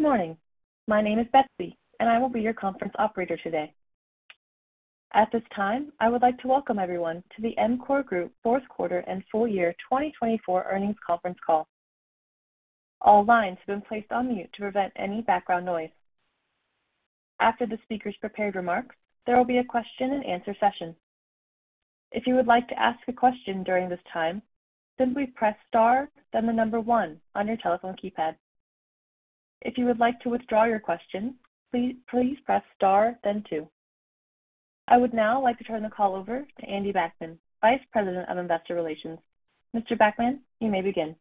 Good morning. My name is Betsy, and I will be your conference operator today. At this time, I would like to welcome everyone to the EMCOR Group Fourth Quarter and Full Year 2024 Earnings Conference Call. All lines have been placed on mute to prevent any background noise. After the speaker's prepared remarks, there will be a question-and-answer session. If you would like to ask a question during this time, simply press star, then the number one on your telephone keypad. If you would like to withdraw your question, please press star, then two. I would now like to turn the call over to Andy Backman, Vice President of Investor Relations. Mr. Backman, you may begin.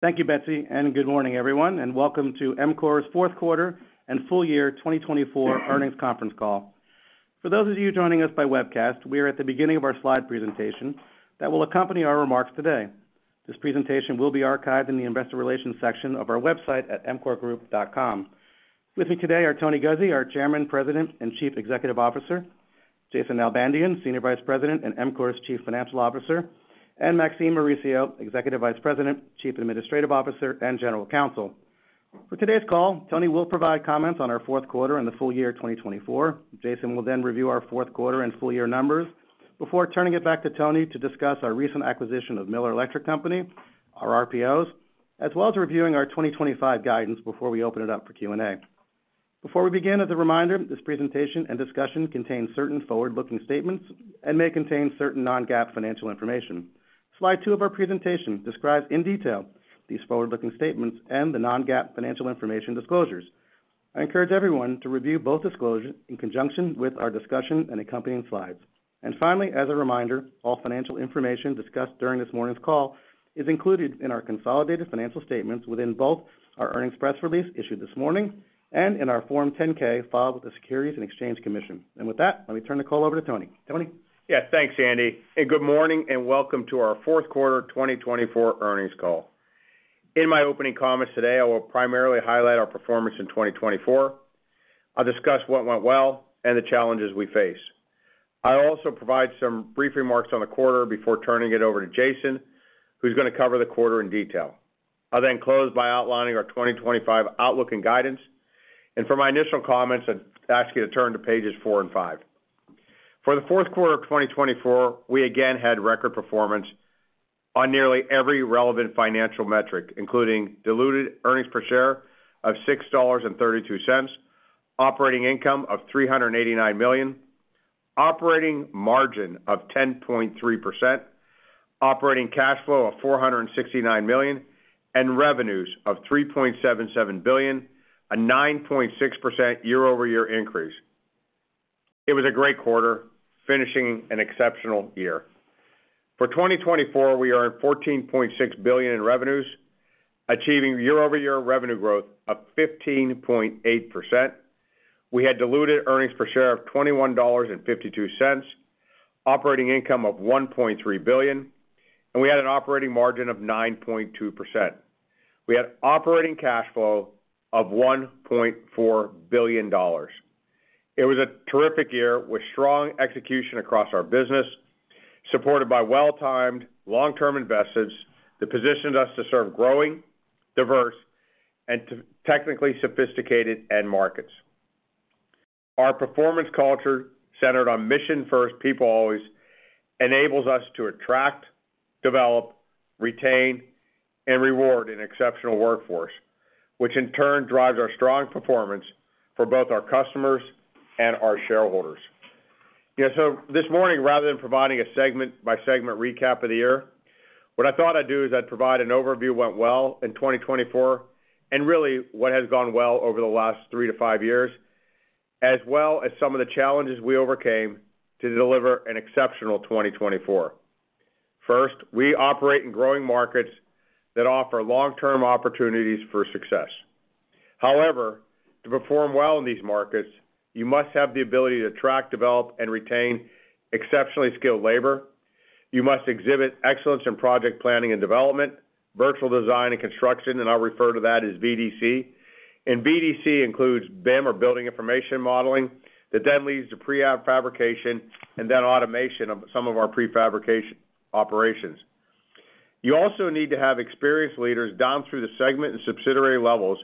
Thank you, Betsy, and good morning, everyone, and welcome to EMCOR's Fourth Quarter and Full Year 2024 Earnings Conference Call. For those of you joining us by webcast, we are at the beginning of our slide presentation that will accompany our remarks today. This presentation will be archived in the Investor Relations section of our website at emcorgroup.com. With me today are Tony Guzzi, our Chairman, President, and Chief Executive Officer. Jason Nalbandian, Senior Vice President and EMCOR's Chief Financial Officer. And Maxine Mauricio, Executive Vice President, Chief Administrative Officer, and General Counsel. For today's call, Tony will provide comments on our fourth quarter and the full year 2024. Jason will then review our fourth quarter and full year numbers before turning it back to Tony to discuss our recent acquisition of Miller Electric Company, our RPOs, as well as reviewing our 2025 guidance before we open it up for Q&A. Before we begin, as a reminder, this presentation and discussion contain certain forward-looking statements and may contain certain non-GAAP financial information. Slide two of our presentation describes in detail these forward-looking statements and the non-GAAP financial information disclosures. I encourage everyone to review both disclosures in conjunction with our discussion and accompanying slides. And finally, as a reminder, all financial information discussed during this morning's call is included in our consolidated financial statements within both our earnings press release issued this morning and in our Form 10-K filed with the Securities and Exchange Commission. And with that, let me turn the call over to Tony. Tony? Yes, thanks, Andy. Good morning and welcome to our fourth quarter 2024 earnings call. In my opening comments today, I will primarily highlight our performance in 2024. I'll discuss what went well and the challenges we faced. I'll also provide some brief remarks on the quarter before turning it over to Jason, who's going to cover the quarter in detail. I'll then close by outlining our 2025 outlook and guidance. For my initial comments, I'd ask you to turn to pages four and five. For the fourth quarter of 2024, we again had record performance on nearly every relevant financial metric, including diluted earnings per share of $6.32, operating income of $389 million, operating margin of 10.3%, operating cash flow of $469 million, and revenues of $3.77 billion, a 9.6% year-over-year increase. It was a great quarter, finishing an exceptional year. For 2024, we earned $14.6 billion in revenues, achieving year-over-year revenue growth of 15.8%. We had diluted earnings per share of $21.52, operating income of $1.3 billion, and we had an operating margin of 9.2%. We had operating cash flow of $1.4 billion. It was a terrific year with strong execution across our business, supported by well-timed, long-term investors that positioned us to serve growing, diverse, and technically sophisticated end markets. Our performance culture, centered on mission-first, people-always, enables us to attract, develop, retain, and reward an exceptional workforce, which in turn drives our strong performance for both our customers and our shareholders. This morning, rather than providing a segment-by-segment recap of the year, what I thought I'd do is I'd provide an overview of what went well in 2024 and really what has gone well over the last three to five years, as well as some of the challenges we overcame to deliver an exceptional 2024. First, we operate in growing markets that offer long-term opportunities for success. However, to perform well in these markets, you must have the ability to attract, develop, and retain exceptionally skilled labor. You must exhibit excellence in project planning and development, virtual design and construction, and I'll refer to that as VDC. And VDC includes BIM or Building Information Modeling that then leads to prefabrication and then automation of some of our prefabrication operations. You also need to have experienced leaders down through the segment and subsidiary levels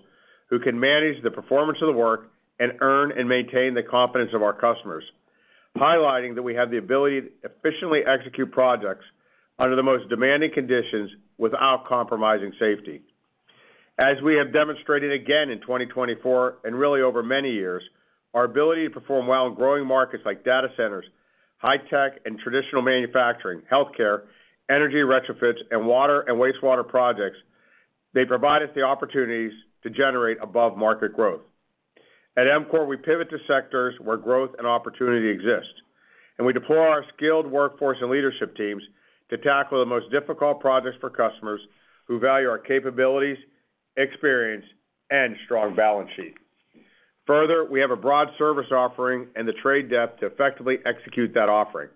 who can manage the performance of the work and earn and maintain the confidence of our customers, highlighting that we have the ability to efficiently execute projects under the most demanding conditions without compromising safety. As we have demonstrated again in 2024 and really over many years, our ability to perform well in growing markets like data centers, high-tech and traditional manufacturing, healthcare, energy retrofits, and water and wastewater projects. They provide us the opportunities to generate above-market growth. At EMCOR, we pivot to sectors where growth and opportunity exist, and we deploy our skilled workforce and leadership teams to tackle the most difficult projects for customers who value our capabilities, experience, and strong balance sheet. Further, we have a broad service offering and the trade depth to effectively execute that offering.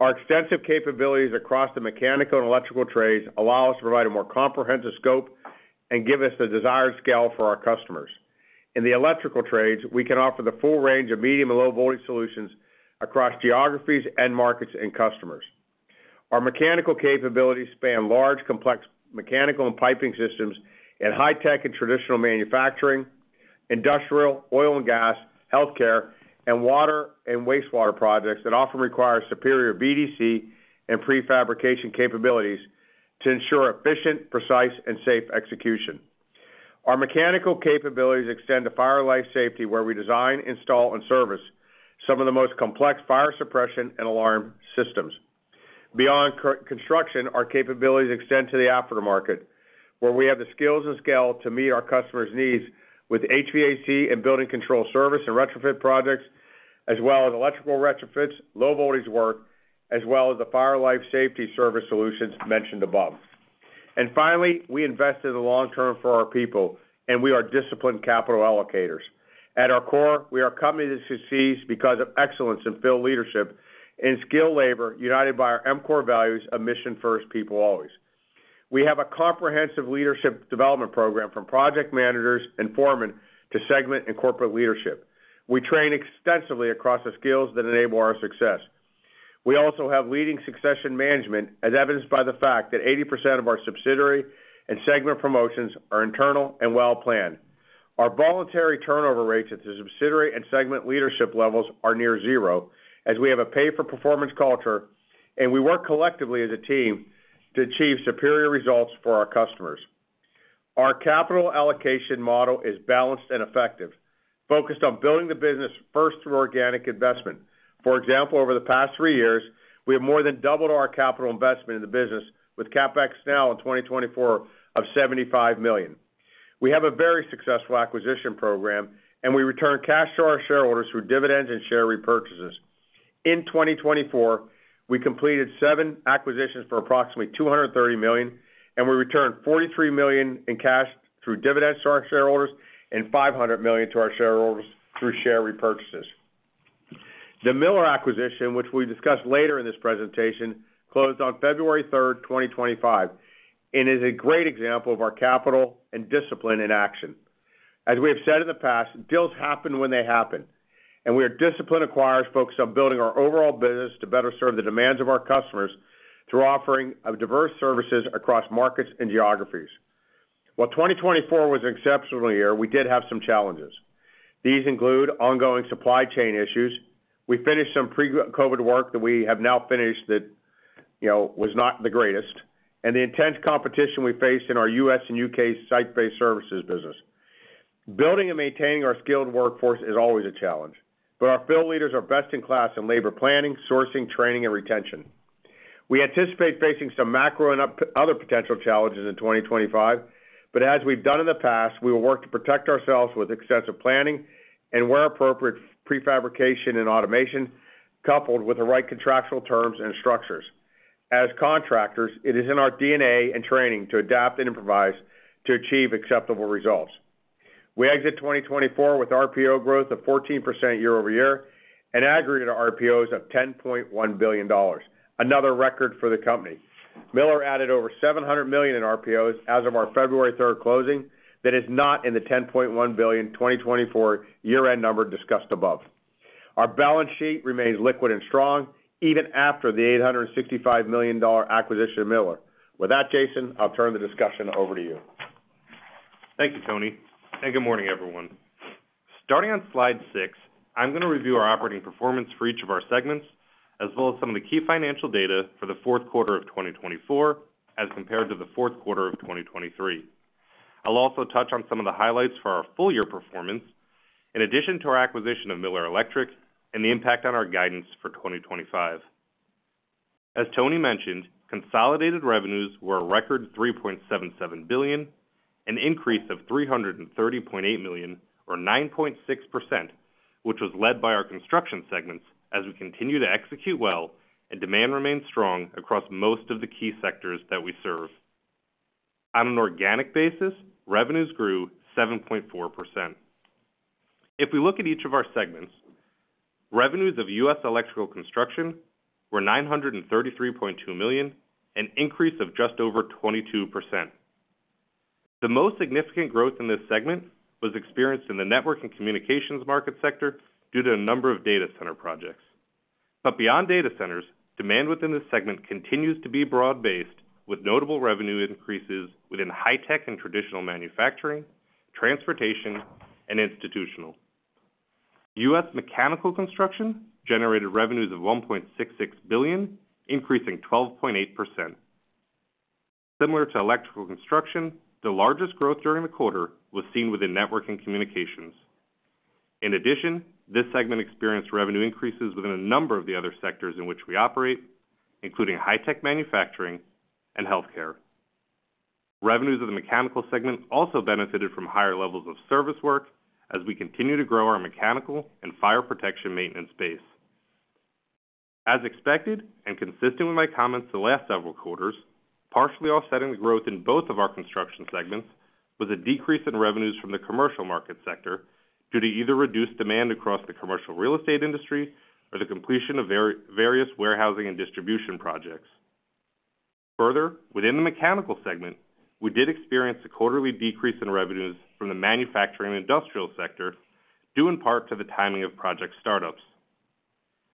Our extensive capabilities across the mechanical and electrical trades allow us to provide a more comprehensive scope and give us the desired scale for our customers. In the electrical trades, we can offer the full range of medium and low-voltage solutions across geographies and markets and customers. Our mechanical capabilities span large, complex mechanical and piping systems in high-tech and traditional manufacturing, industrial, oil and gas, healthcare, and water and wastewater projects that often require superior VDC and prefabrication capabilities to ensure efficient, precise, and safe execution. Our mechanical capabilities extend to fire life safety, where we design, install, and service some of the most complex fire suppression and alarm systems. Beyond construction, our capabilities extend to the aftermarket, where we have the skills and scale to meet our customers' needs with HVAC and building control service and retrofit projects, as well as electrical retrofits, low-voltage work, as well as the fire life safety service solutions mentioned above, and finally, we invest in the long term for our people, and we are disciplined capital allocators. At our core, we are a company that succeeds because of excellence and field leadership and skilled labor united by our EMCOR values of mission-first, people-always. We have a comprehensive leadership development program from project managers and foremen to segment and corporate leadership. We train extensively across the skills that enable our success. We also have leading succession management, as evidenced by the fact that 80% of our subsidiary and segment promotions are internal and well-planned. Our voluntary turnover rates at the subsidiary and segment leadership levels are near zero, as we have a pay-for-performance culture, and we work collectively as a team to achieve superior results for our customers. Our capital allocation model is balanced and effective, focused on building the business first through organic investment. For example, over the past three years, we have more than doubled our capital investment in the business with CapEx now in 2024 of $75 million. We have a very successful acquisition program, and we return cash to our shareholders through dividends and share repurchases. In 2024, we completed seven acquisitions for approximately $230 million, and we returned $43 million in cash through dividends to our shareholders and $500 million to our shareholders through share repurchases. The Miller acquisition, which we'll discuss later in this presentation, closed on February 3rd, 2025, and is a great example of our capital and discipline in action. As we have said in the past, deals happen when they happen, and we are disciplined acquirers focused on building our overall business to better serve the demands of our customers through offering diverse services across markets and geographies. While 2024 was an exceptional year, we did have some challenges. These include ongoing supply chain issues. We finished some pre-COVID work that was not the greatest, and the intense competition we faced in our U.S. and U.K. site-based services business. Building and maintaining our skilled workforce is always a challenge, but our field leaders are best in class in labor planning, sourcing, training, and retention. We anticipate facing some macro and other potential challenges in 2025, but as we've done in the past, we will work to protect ourselves with extensive planning and where appropriate, prefabrication and automation, coupled with the right contractual terms and structures. As contractors, it is in our DNA and training to adapt and improvise to achieve acceptable results. We exit 2024 with RPO growth of 14% year-over-year and aggregated RPOs of $10.1 billion, another record for the company. Miller added over $700 million in RPOs as of our February 3rd closing that is not in the $10.1 billion 2024 year-end number discussed above. Our balance sheet remains liquid and strong even after the $865 million acquisition of Miller. With that, Jason, I'll turn the discussion over to you. Thank you, Tony, and good morning, everyone. Starting on slide six, I'm going to review our operating performance for each of our segments, as well as some of the key financial data for the fourth quarter of 2024 as compared to the fourth quarter of 2023. I'll also touch on some of the highlights for our full year performance, in addition to our acquisition of Miller Electric and the impact on our guidance for 2025. As Tony mentioned, consolidated revenues were a record $3.77 billion, an increase of $330.8 million, or 9.6%, which was led by our construction segments as we continue to execute well and demand remains strong across most of the key sectors that we serve. On an organic basis, revenues grew 7.4%. If we look at each of our segments, revenues of U.S. Electrical Construction were $933.2 million, an increase of just over 22%. The most significant growth in this segment was experienced in the network and communications market sector due to a number of data center projects. But beyond data centers, demand within this segment continues to be broad-based, with notable revenue increases within high-tech and traditional manufacturing, transportation, and institutional. U.S. Mechanical Construction generated revenues of $1.66 billion, increasing 12.8%. Similar to electrical construction, the largest growth during the quarter was seen within network and communications. In addition, this segment experienced revenue increases within a number of the other sectors in which we operate, including high-tech manufacturing and healthcare. Revenues of the mechanical segment also benefited from higher levels of service work as we continue to grow our mechanical and fire protection maintenance base. As expected and consistent with my comments the last several quarters, partially offsetting the growth in both of our construction segments was a decrease in revenues from the commercial market sector due to either reduced demand across the commercial real estate industry or the completion of various warehousing and distribution projects. Further, within the mechanical segment, we did experience a quarterly decrease in revenues from the manufacturing and industrial sector, due in part to the timing of project startups.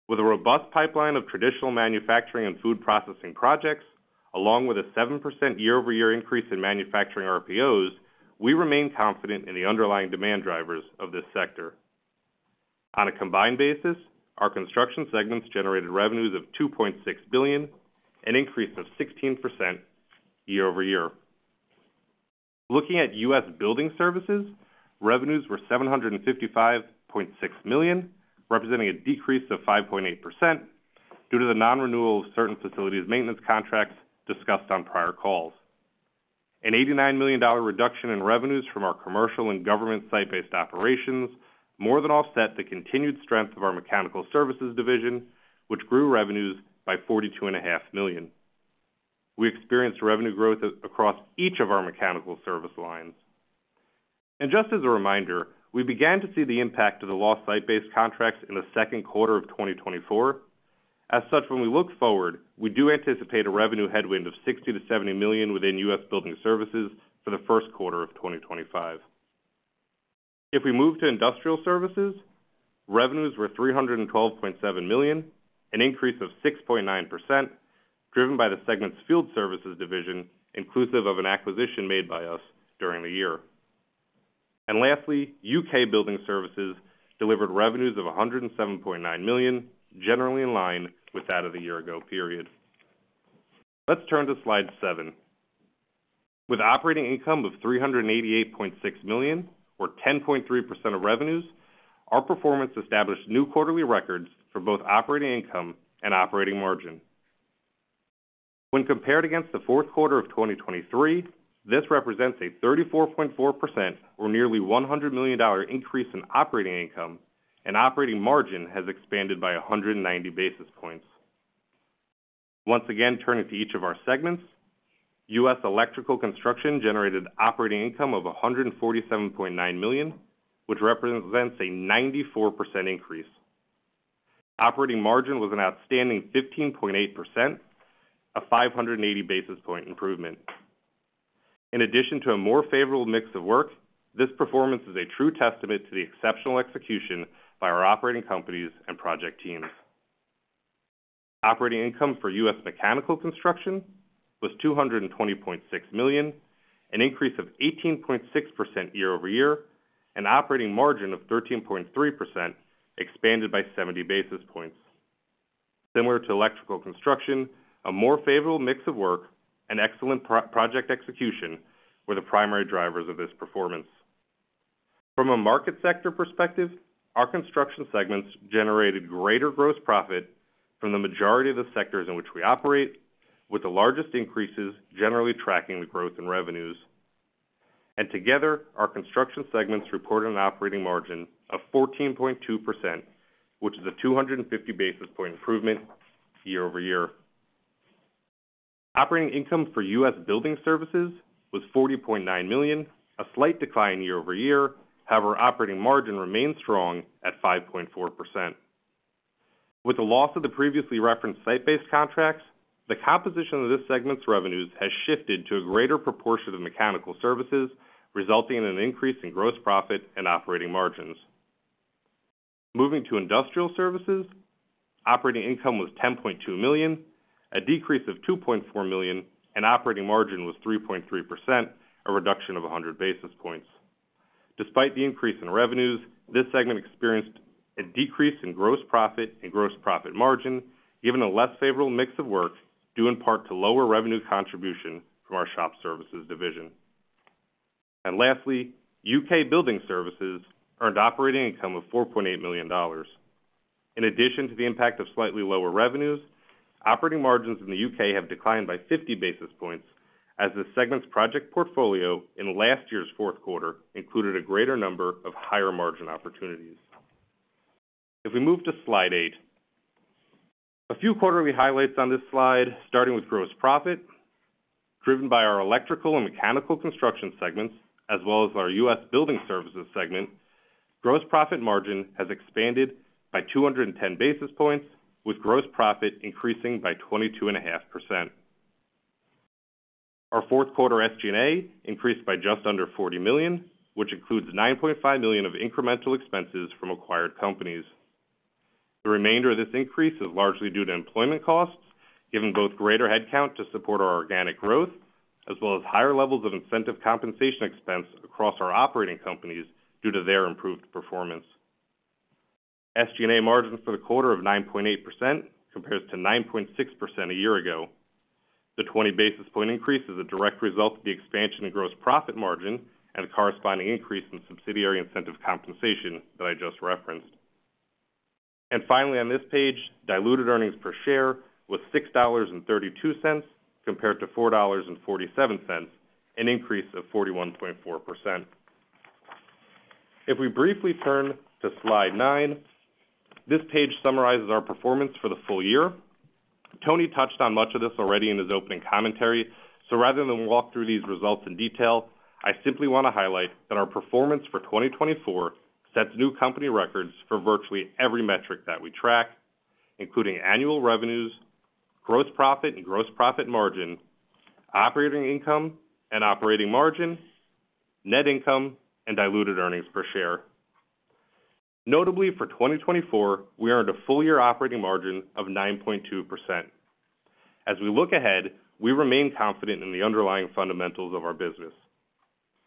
With a robust pipeline of traditional manufacturing and food processing projects, along with a 7% year-over-year increase in manufacturing RPOs, we remain confident in the underlying demand drivers of this sector. On a combined basis, our construction segments generated revenues of $2.6 billion, an increase of 16% year-over-year. Looking at U.S. Building services revenues were $755.6 million, representing a decrease of 5.8% due to the non-renewal of certain facilities maintenance contracts discussed on prior calls. An $89 million reduction in revenues from our commercial and government site-based operations more than offset the continued strength of our mechanical services division, which grew revenues by $42.5 million. We experienced revenue growth across each of our mechanical service lines. And just as a reminder, we began to see the impact of the lost site-based contracts in the second quarter of 2024. As such, when we look forward, we do anticipate a revenue headwind of $60-$70 million within U.S. Building Services for the first quarter of 2025. If we move to industrial services, revenues were $312.7 million, an increase of 6.9%, driven by the segment's field services division, inclusive of an acquisition made by us during the year. And lastly, U.K. Building services delivered revenues of $107.9 million, generally in line with that of the year-ago period. Let's turn to slide seven. With operating income of $388.6 million, or 10.3% of revenues, our performance established new quarterly records for both operating income and operating margin. When compared against the fourth quarter of 2023, this represents a 34.4%, or nearly $100 million increase in operating income, and operating margin has expanded by 190 basis points. Once again, turning to each of our segments, U.S. Electrical Construction generated operating income of $147.9 million, which represents a 94% increase. Operating margin was an outstanding 15.8%, a 580 basis point improvement. In addition to a more favorable mix of work, this performance is a true testament to the exceptional execution by our operating companies and project teams. Operating income for U.S. Mechanical construction was $220.6 million, an increase of 18.6% year-over-year, and operating margin of 13.3%, expanded by 70 basis points. Similar to electrical construction, a more favorable mix of work and excellent project execution were the primary drivers of this performance. From a market sector perspective, our construction segments generated greater gross profit from the majority of the sectors in which we operate, with the largest increases generally tracking the growth in revenues. And together, our construction segments reported an operating margin of 14.2%, which is a 250 basis point improvement year-over-year. Operating income for U.S. Building Services was $40.9 million, a slight decline year-over-year. However, operating margin remained strong at 5.4%. With the loss of the previously referenced site-based contracts, the composition of this segment's revenues has shifted to a greater proportion of mechanical services, resulting in an increase in gross profit and operating margins. Moving to industrial services, operating income was $10.2 million, a decrease of $2.4 million, and operating margin was 3.3%, a reduction of 100 basis points. Despite the increase in revenues, this segment experienced a decrease in gross profit and gross profit margin, given a less favorable mix of work due in part to lower revenue contribution from our shop services division. And lastly, U.K. Building Services earned operating income of $4.8 million. In addition to the impact of slightly lower revenues, operating margins in the U.K. have declined by 50 basis points, as the segment's project portfolio in last year's fourth quarter included a greater number of higher margin opportunities. If we move to slide eight, a few quarterly highlights on this slide, starting with gross profit. Driven by our electrical and mechanical construction segments, as well as our U.S. Building services segment, gross profit margin has expanded by 210 basis points, with gross profit increasing by 22.5%. Our fourth quarter SG&A increased by just under $40 million, which includes $9.5 million of incremental expenses from acquired companies. The remainder of this increase is largely due to employment costs, giving both greater headcount to support our organic growth, as well as higher levels of incentive compensation expense across our operating companies due to their improved performance. SG&A margins for the quarter of 9.8% compares to 9.6% a year ago. The 20 basis point increase is a direct result of the expansion in gross profit margin and the corresponding increase in subsidiary incentive compensation that I just referenced. And finally, on this page, diluted earnings per share was $6.32 compared to $4.47, an increase of 41.4%. If we briefly turn to slide nine, this page summarizes our performance for the full year. Tony touched on much of this already in his opening commentary, so rather than walk through these results in detail, I simply want to highlight that our performance for 2024 sets new company records for virtually every metric that we track, including annual revenues, gross profit and gross profit margin, operating income and operating margin, net income, and diluted earnings per share. Notably, for 2024, we earned a full-year operating margin of 9.2%. As we look ahead, we remain confident in the underlying fundamentals of our business.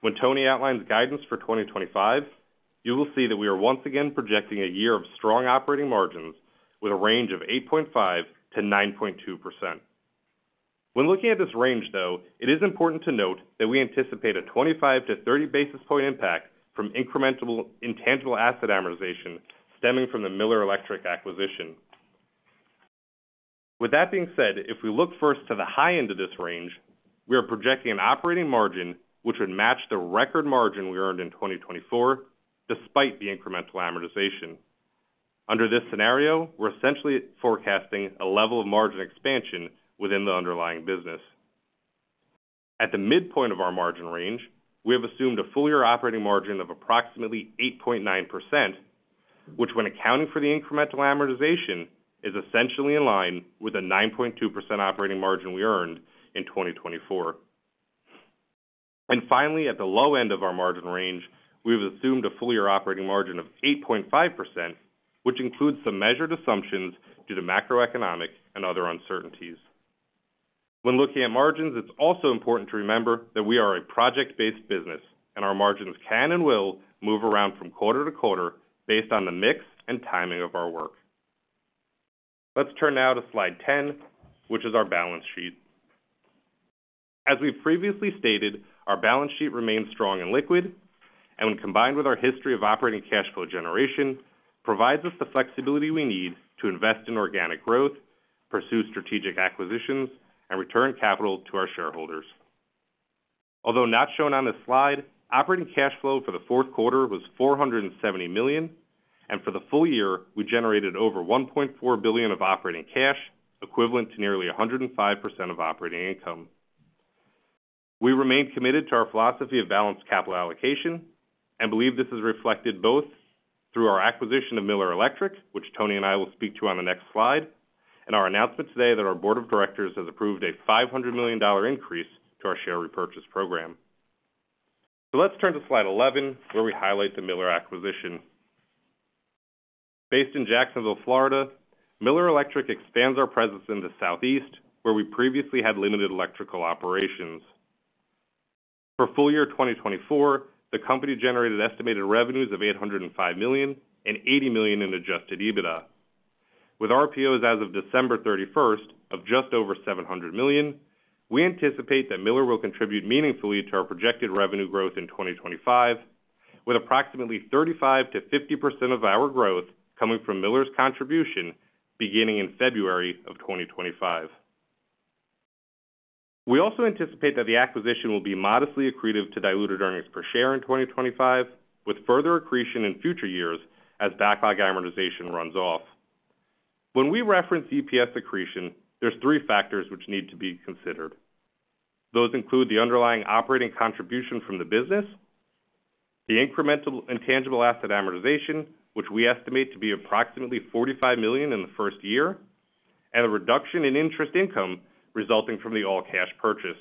When Tony outlines guidance for 2025, you will see that we are once again projecting a year of strong operating margins with a range of 8.5% to 9.2%. When looking at this range, though, it is important to note that we anticipate a 25-30 basis point impact from incremental intangible asset amortization stemming from the Miller Electric acquisition. With that being said, if we look first to the high end of this range, we are projecting an operating margin which would match the record margin we earned in 2024, despite the incremental amortization. Under this scenario, we're essentially forecasting a level of margin expansion within the underlying business. At the midpoint of our margin range, we have assumed a full-year operating margin of approximately 8.9%, which, when accounting for the incremental amortization, is essentially in line with the 9.2% operating margin we earned in 2024. Finally, at the low end of our margin range, we have assumed a full-year operating margin of 8.5%, which includes some measured assumptions due to macroeconomic and other uncertainties. When looking at margins, it's also important to remember that we are a project-based business, and our margins can and will move around from quarter to quarter based on the mix and timing of our work. Let's turn now to slide 10, which is our balance sheet. As we've previously stated, our balance sheet remains strong and liquid, and when combined with our history of operating cash flow generation, provides us the flexibility we need to invest in organic growth, pursue strategic acquisitions, and return capital to our shareholders. Although not shown on this slide, operating cash flow for the fourth quarter was $470 million, and for the full year, we generated over $1.4 billion of operating cash, equivalent to nearly 105% of operating income. We remain committed to our philosophy of balanced capital allocation and believe this is reflected both through our acquisition of Miller Electric, which Tony and I will speak to on the next slide, and our announcement today that our board of directors has approved a $500 million increase to our share repurchase program. So let's turn to slide 11, where we highlight the Miller acquisition. Based in Jacksonville, Florida, Miller Electric expands our presence in the southeast, where we previously had limited electrical operations. For full year 2024, the company generated estimated revenues of $805 million and $80 million in Adjusted EBITDA. With RPOs as of December 31st of just over $700 million, we anticipate that Miller will contribute meaningfully to our projected revenue growth in 2025, with approximately 35%-50% of our growth coming from Miller's contribution beginning in February of 2025. We also anticipate that the acquisition will be modestly accretive to diluted earnings per share in 2025, with further accretion in future years as backlog amortization runs off. When we reference EPS accretion, there are three factors which need to be considered. Those include the underlying operating contribution from the business, the incremental intangible asset amortization, which we estimate to be approximately $45 million in the first year, and the reduction in interest income resulting from the all-cash purchase.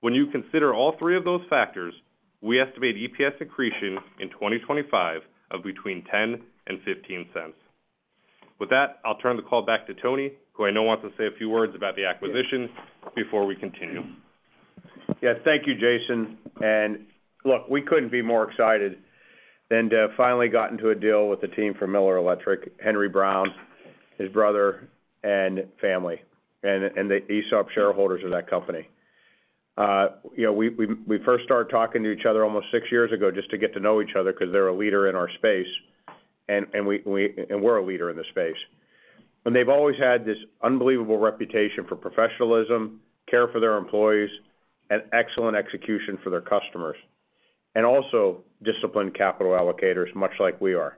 When you consider all three of those factors, we estimate EPS accretion in 2025 of between $0.10 and $0.15. With that, I'll turn the call back to Tony, who I know wants to say a few words about the acquisition before we continue. Yeah, thank you, Jason. And look, we couldn't be more excited than to finally got into a deal with the team from Miller Electric, Henry Brown, his brother, and family, and the ESOP shareholders of that company. We first started talking to each other almost six years ago just to get to know each other because they're a leader in our space, and we're a leader in the space. And they've always had this unbelievable reputation for professionalism, care for their employees, and excellent execution for their customers, and also disciplined capital allocators, much like we are.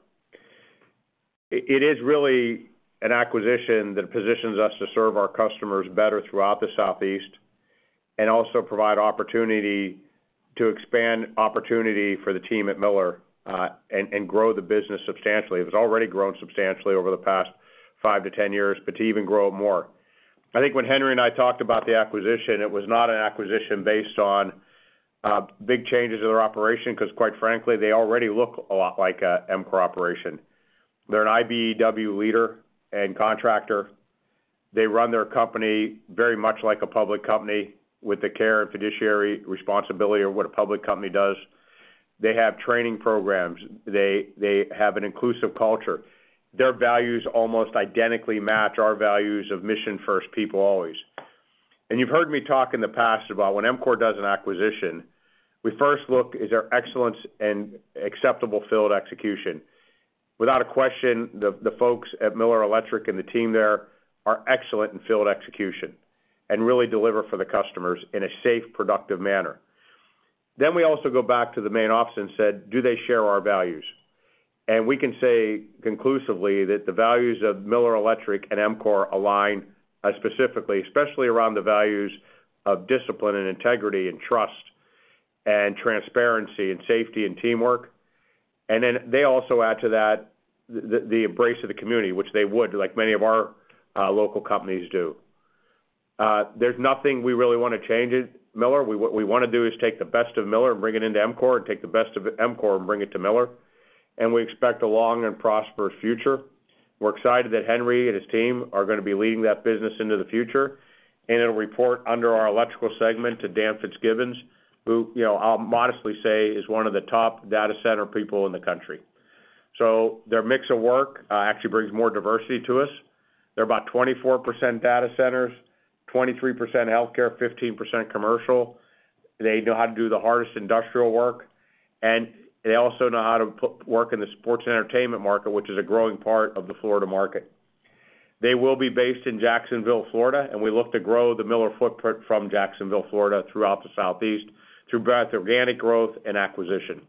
It is really an acquisition that positions us to serve our customers better throughout the Southeast and also provide opportunity to expand opportunity for the team at Miller and grow the business substantially. It's already grown substantially over the past 5-10 years, but to even grow more. I think when Henry and I talked about the acquisition, it was not an acquisition based on big changes in their operation because, quite frankly, they already look a lot like an EMCOR operation. They're an IBEW leader and contractor. They run their company very much like a public company with the care and fiduciary responsibility of what a public company does. They have training programs. They have an inclusive culture. Their values almost identically match our values of mission-first people-always. And you've heard me talk in the past about when EMCOR does an acquisition, we first look at their excellence and acceptable field execution. Without question, the folks at Miller Electric and the team there are excellent in field execution and really deliver for the customers in a safe, productive manner. Then we also go back to the main office and said, "Do they share our values?" And we can say conclusively that the values of Miller Electric and EMCOR align specifically, especially around the values of discipline and integrity and trust and transparency and safety and teamwork. And then they also add to that the embrace of the community, which they would, like many of our local companies do. There's nothing we really want to change at Miller. What we want to do is take the best of Miller and bring it into EMCOR and take the best of EMCOR and bring it to Miller. And we expect a long and prosperous future. We're excited that Henry and his team are going to be leading that business into the future, and it'll report under our electrical segment to Dan Fitzgibbons, who I'll modestly say is one of the top data center people in the country. So their mix of work actually brings more diversity to us. They're about 24% data centers, 23% healthcare, 15% commercial. They know how to do the hardest industrial work, and they also know how to work in the sports and entertainment market, which is a growing part of the Florida market. They will be based in Jacksonville, Florida, and we look to grow the Miller footprint from Jacksonville, Florida, throughout the Southeast through both organic growth and acquisition.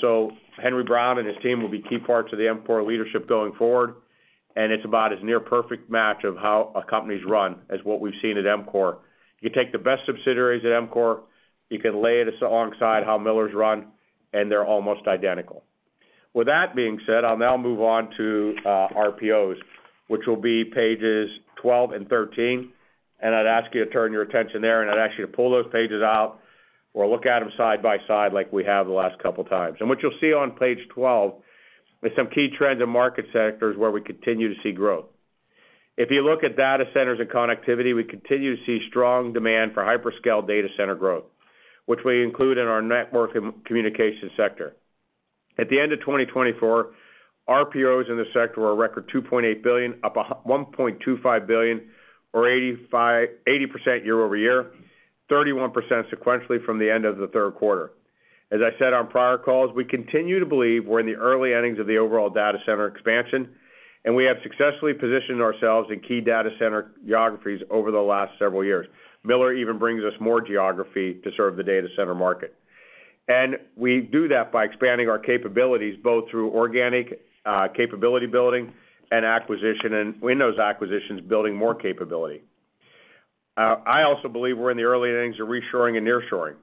So Henry Brown and his team will be key parts of the EMCOR leadership going forward, and it's about as near-perfect match of how a company's run as what we've seen at EMCOR. You can take the best subsidiaries at EMCOR. You can lay it alongside how Miller's run, and they're almost identical. With that being said, I'll now move on to RPOs, which will be pages 12 and 13, and I'd ask you to turn your attention there, and I'd ask you to pull those pages out or look at them side by side like we have the last couple of times. What you'll see on page 12 is some key trends in market sectors where we continue to see growth. If you look at data centers and connectivity, we continue to see strong demand for hyperscale data center growth, which we include in our network and communication sector. At the end of 2024, RPOs in the sector were a record $2.8 billion, up $1.25 billion, or 80% year over year, 31% sequentially from the end of the third quarter. As I said on prior calls, we continue to believe we're in the early innings of the overall data center expansion, and we have successfully positioned ourselves in key data center geographies over the last several years. Miller even brings us more geography to serve the data center market, and we do that by expanding our capabilities both through organic capability building and acquisition, and in those acquisitions, building more capability. I also believe we're in the early innings of reshoring and nearshoring,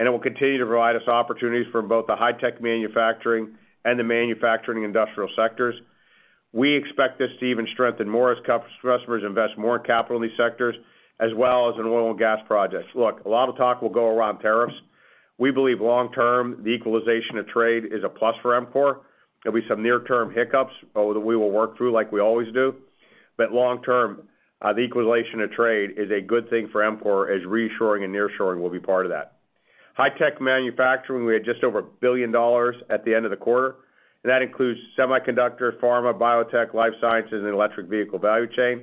and it will continue to provide us opportunities for both the high-tech manufacturing and the manufacturing industrial sectors. We expect this to even strengthen more as customers invest more capital in these sectors, as well as in oil and gas projects. Look, a lot of talk will go around tariffs. We believe long-term, the equalization of trade is a plus for EMCOR. There'll be some near-term hiccups that we will work through like we always do, but long-term, the equalization of trade is a good thing for EMCOR, as reshoring and nearshoring will be part of that. High-tech manufacturing, we had just over $1 billion at the end of the quarter, and that includes semiconductor, pharma, biotech, life sciences, and electric vehicle value chain.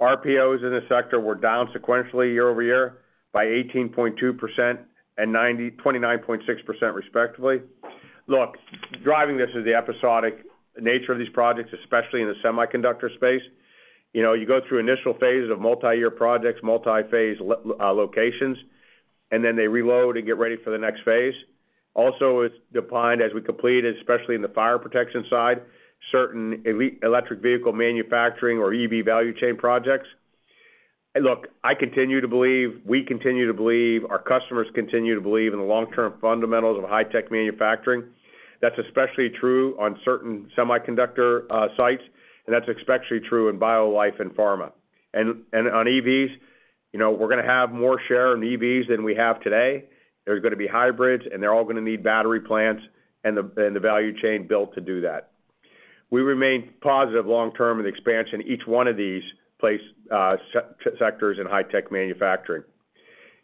RPOs in the sector were down sequentially year over year by 18.2% and 29.6% respectively. Look, driving this is the episodic nature of these projects, especially in the semiconductor space. You go through initial phases of multi-year projects, multi-phase locations, and then they reload and get ready for the next phase. Also, it's defined as we complete, especially in the fire protection side, certain electric vehicle manufacturing or EV value chain projects. Look, I continue to believe, we continue to believe, our customers continue to believe in the long-term fundamentals of high-tech manufacturing. That's especially true on certain semiconductor sites, and that's especially true in BioLife and pharma. And on EVs, we're going to have more share in EVs than we have today. There's going to be hybrids, and they're all going to need battery plants and the value chain built to do that. We remain positive long-term in the expansion of each one of these sectors in high-tech manufacturing.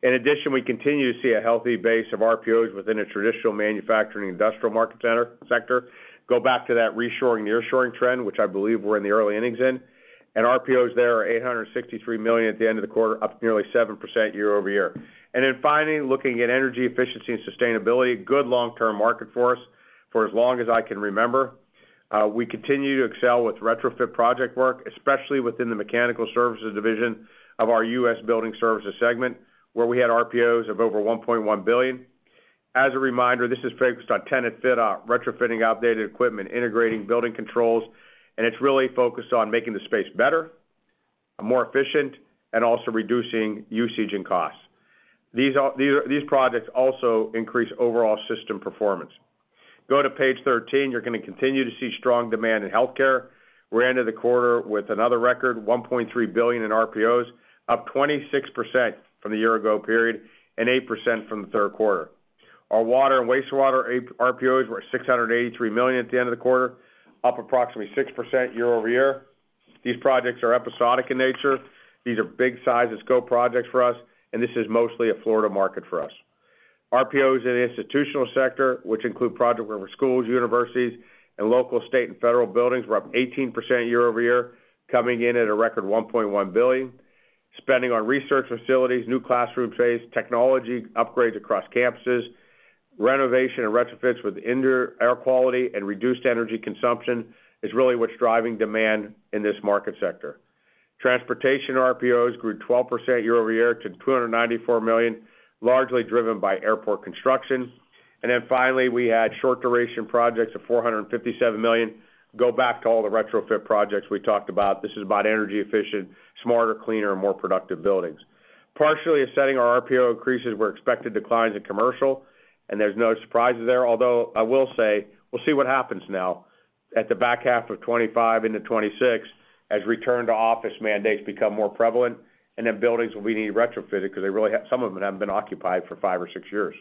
In addition, we continue to see a healthy base of RPOs within a traditional manufacturing industrial market sector. Go back to that reshoring/nearshoring trend, which I believe we're in the early innings in, and RPOs there are $863 million at the end of the quarter, up nearly 7% year over year, and then finally, looking at energy efficiency and sustainability, good long-term market for us for as long as I can remember. We continue to excel with retrofit project work, especially within the mechanical services division of our U.S. Building Services segment, where we had RPOs of over $1.1 billion. As a reminder, this is focused on tenant fit-out, retrofitting outdated equipment, integrating building controls, and it's really focused on making the space better, more efficient, and also reducing usage and costs. These projects also increase overall system performance. Going to page 13, you're going to continue to see strong demand in healthcare. We're into the quarter with another record, $1.3 billion in RPOs, up 26% from the year-ago period and 8% from the third quarter. Our water and wastewater RPOs were $683 million at the end of the quarter, up approximately 6% year over year. These projects are episodic in nature. These are big-size and scope projects for us, and this is mostly a Florida market for us. RPOs in the institutional sector, which include projects for schools, universities, and local, state, and federal buildings, were up 18% year over year, coming in at a record $1.1 billion. Spending on research facilities, new classroom space, technology upgrades across campuses, renovation and retrofits with indoor air quality and reduced energy consumption is really what's driving demand in this market sector. Transportation RPOs grew 12% year over year to $294 million, largely driven by airport construction. Then finally, we had short-duration projects of $457 million. Go back to all the retrofit projects we talked about. This is about energy-efficient, smarter, cleaner, and more productive buildings. Partially offsetting our RPO increases were expected declines in commercial, and there's no surprises there. Although I will say, we'll see what happens now at the back half of 2025 into 2026 as return-to-office mandates become more prevalent, and then buildings will be needing retrofitted because some of them haven't been occupied for five or six years.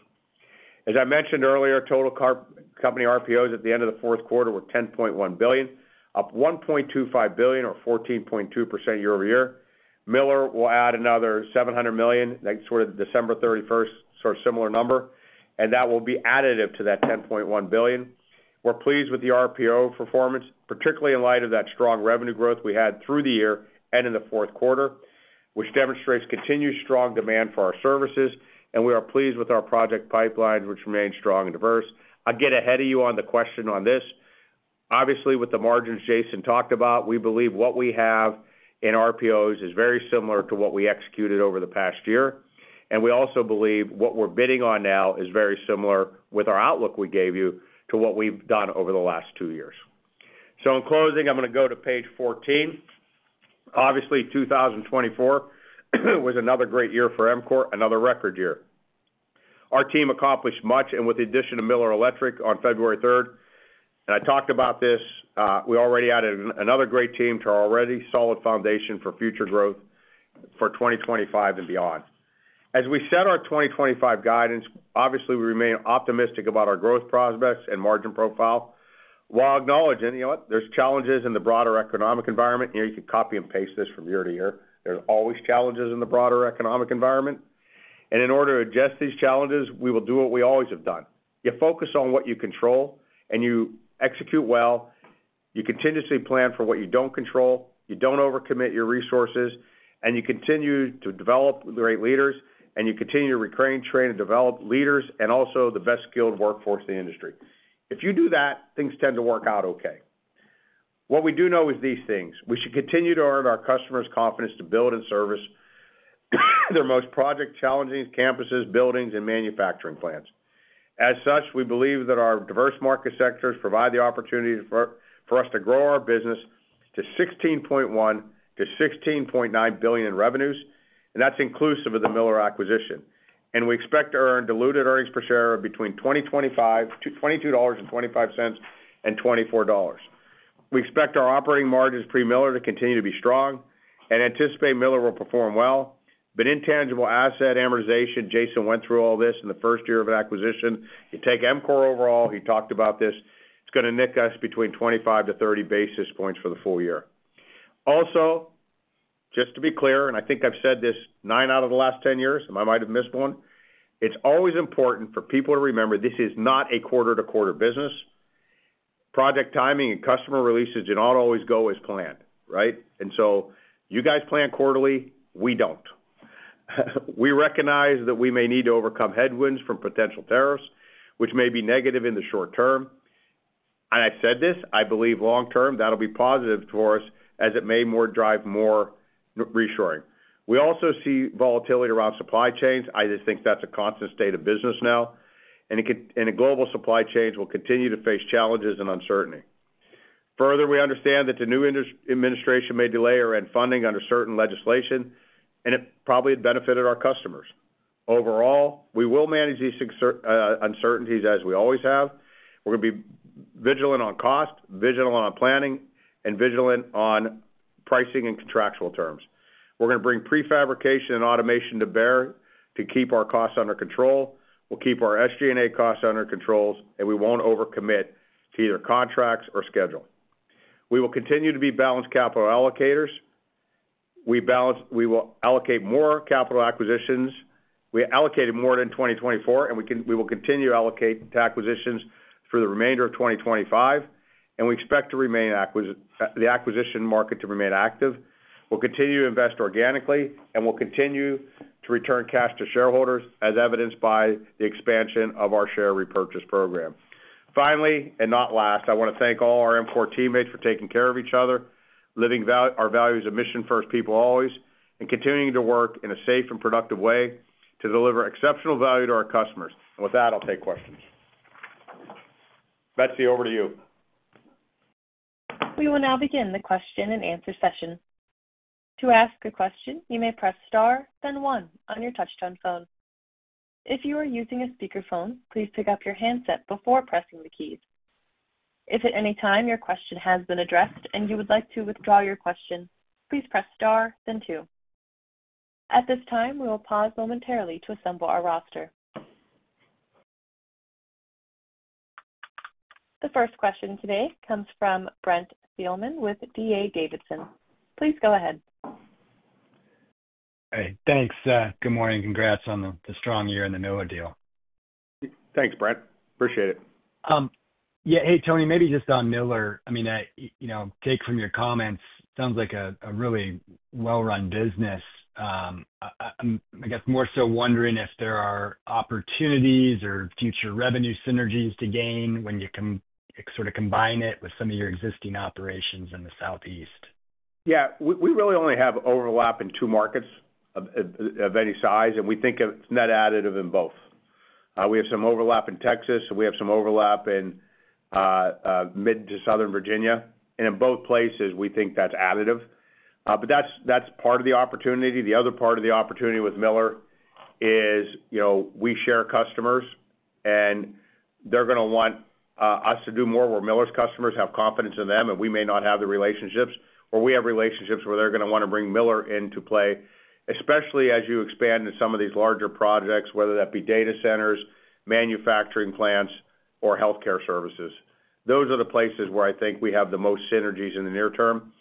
As I mentioned earlier, total company RPOs at the end of the fourth quarter were $10.1 billion, up $1.25 billion or 14.2% year over year. Miller will add another $700 million sort of December 31st, sort of similar number, and that will be additive to that $10.1 billion. We're pleased with the RPO performance, particularly in light of that strong revenue growth we had through the year and in the fourth quarter, which demonstrates continued strong demand for our services, and we are pleased with our project pipeline, which remains strong and diverse. I'll get ahead of you on the question on this. Obviously, with the margins Jason talked about, we believe what we have in RPOs is very similar to what we executed over the past year. And we also believe what we're bidding on now is very similar with our outlook we gave you to what we've done over the last two years. So in closing, I'm going to go to page 14. Obviously, 2024 was another great year for EMCOR, another record year. Our team accomplished much and with the addition of Miller Electric on February 3rd. And I talked about this. We already added another great team to our already solid foundation for future growth for 2025 and beyond. As we set our 2025 guidance, obviously, we remain optimistic about our growth prospects and margin profile. While acknowledging, you know what, there's challenges in the broader economic environment. You could copy and paste this from year to year. There's always challenges in the broader economic environment, and in order to address these challenges, we will do what we always have done. You focus on what you control and you execute well. You continuously plan for what you don't control. You don't overcommit your resources, and you continue to develop great leaders, and you continue to recruit, train, and develop leaders, and also the best skilled workforce in the industry. If you do that, things tend to work out okay. What we do know is these things. We should continue to earn our customers' confidence to build and service their most project-challenging campuses, buildings, and manufacturing plants. As such, we believe that our diverse market sectors provide the opportunity for us to grow our business to $16.1-$16.9 billion in revenues, and that's inclusive of the Miller acquisition, and we expect to earn diluted earnings per share between $22.25 and $24. We expect our operating margins pre-Miller to continue to be strong and anticipate Miller will perform well, but intangible asset amortization, Jason went through all this in the first year of an acquisition. You take EMCOR overall, he talked about this. It's going to nick us between 25-30 basis points for the full year. Also, just to be clear, and I think I've said this nine out of the last 10 years, and I might have missed one. It's always important for people to remember this is not a quarter-to-quarter business. Project timing and customer releases do not always go as planned, right? And so you guys plan quarterly. We don't. We recognize that we may need to overcome headwinds from potential tariffs, which may be negative in the short term, and I said this, I believe long-term that'll be positive for us as it may drive more reshoring. We also see volatility around supply chains. I just think that's a constant state of business now, and global supply chains will continue to face challenges and uncertainty. Further, we understand that the new administration may delay or end funding under certain legislation, and it probably had benefited our customers. Overall, we will manage these uncertainties as we always have. We're going to be vigilant on cost, vigilant on planning, and vigilant on pricing and contractual terms. We're going to bring prefabrication and automation to bear to keep our costs under control. We'll keep our SG&A costs under control, and we won't overcommit to either contracts or schedule. We will continue to be balanced capital allocators. We will allocate more capital acquisitions. We allocated more in 2024, and we will continue to allocate to acquisitions for the remainder of 2025, and we expect the acquisition market to remain active. We'll continue to invest organically, and we'll continue to return cash to shareholders as evidenced by the expansion of our share repurchase program. Finally, and not last, I want to thank all our EMCOR teammates for taking care of each other, living our values of mission-first people-always, and continuing to work in a safe and productive way to deliver exceptional value to our customers. And with that, I'll take questions. Betsy, over to you. We will now begin the question and answer session. To ask a question, you may press star, then one on your touch-tone phone. If you are using a speakerphone, please pick up your handset before pressing the keys. If at any time your question has been addressed and you would like to withdraw your question, please press star, then two. At this time, we will pause momentarily to assemble our roster. The first question today comes from Brent Thielman with D.A. Davidson. Please go ahead. Hey, thanks. Good morning. Congrats on the strong year and the Miller deal. Thanks, Brent. Appreciate it. Yeah. Hey, Tony, maybe just on Miller. I mean, take from your comments, sounds like a really well-run business. I guess more so wondering if there are opportunities or future revenue synergies to gain when you sort of combine it with some of your existing operations in the Southeast. Yeah. We really only have overlap in two markets of any size, and we think it's net additive in both. We have some overlap in Texas, and we have some overlap in mid-to-southern Virginia, and in both places, we think that's additive, but that's part of the opportunity. The other part of the opportunity with Miller is we share customers, and they're going to want us to do more where Miller's customers have confidence in them, and we may not have the relationships, or we have relationships where they're going to want to bring Miller into play, especially as you expand in some of these larger projects, whether that be data centers, manufacturing plants, or healthcare services. Those are the places where I think we have the most synergies in the near term.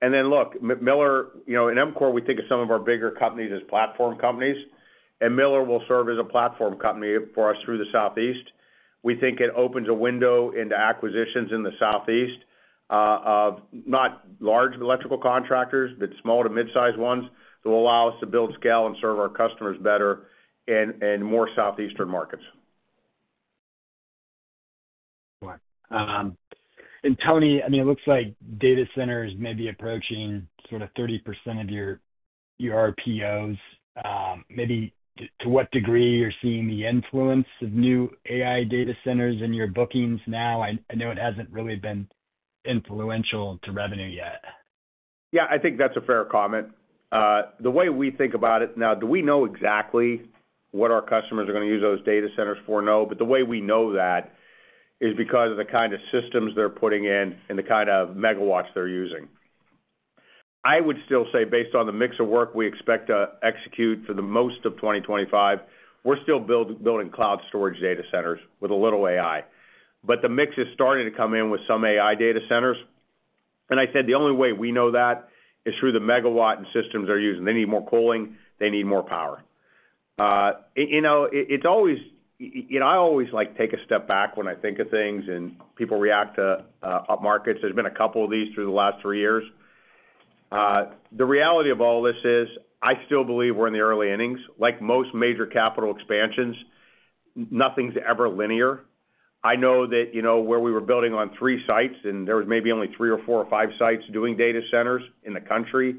Then look, Miller and EMCOR, we think of some of our bigger companies as platform companies, and Miller will serve as a platform company for us through the Southeast. We think it opens a window into acquisitions in the Southeast of not large electrical contractors, but small to mid-sized ones that will allow us to build scale and serve our customers better in more Southeastern markets. Tony, I mean, it looks like data centers may be approaching sort of 30% of your RPOs. Maybe to what degree you're seeing the influence of new AI data centers in your bookings now? I know it hasn't really been influential to revenue yet. Yeah, I think that's a fair comment. The way we think about it now, do we know exactly what our customers are going to use those data centers for? No, but the way we know that is because of the kind of systems they're putting in and the kind of megawatts they're using. I would still say, based on the mix of work we expect to execute for the most of 2025, we're still building cloud storage data centers with a little AI. But the mix is starting to come in with some AI data centers. And I said the only way we know that is through the megawatt and systems they're using. They need more cooling. They need more power. I always like to take a step back when I think of things and people react to up markets. There's been a couple of these through the last three years. The reality of all this is I still believe we're in the early innings. Like most major capital expansions, nothing's ever linear. I know that where we were building on three sites and there was maybe only three or four or five sites doing data centers in the country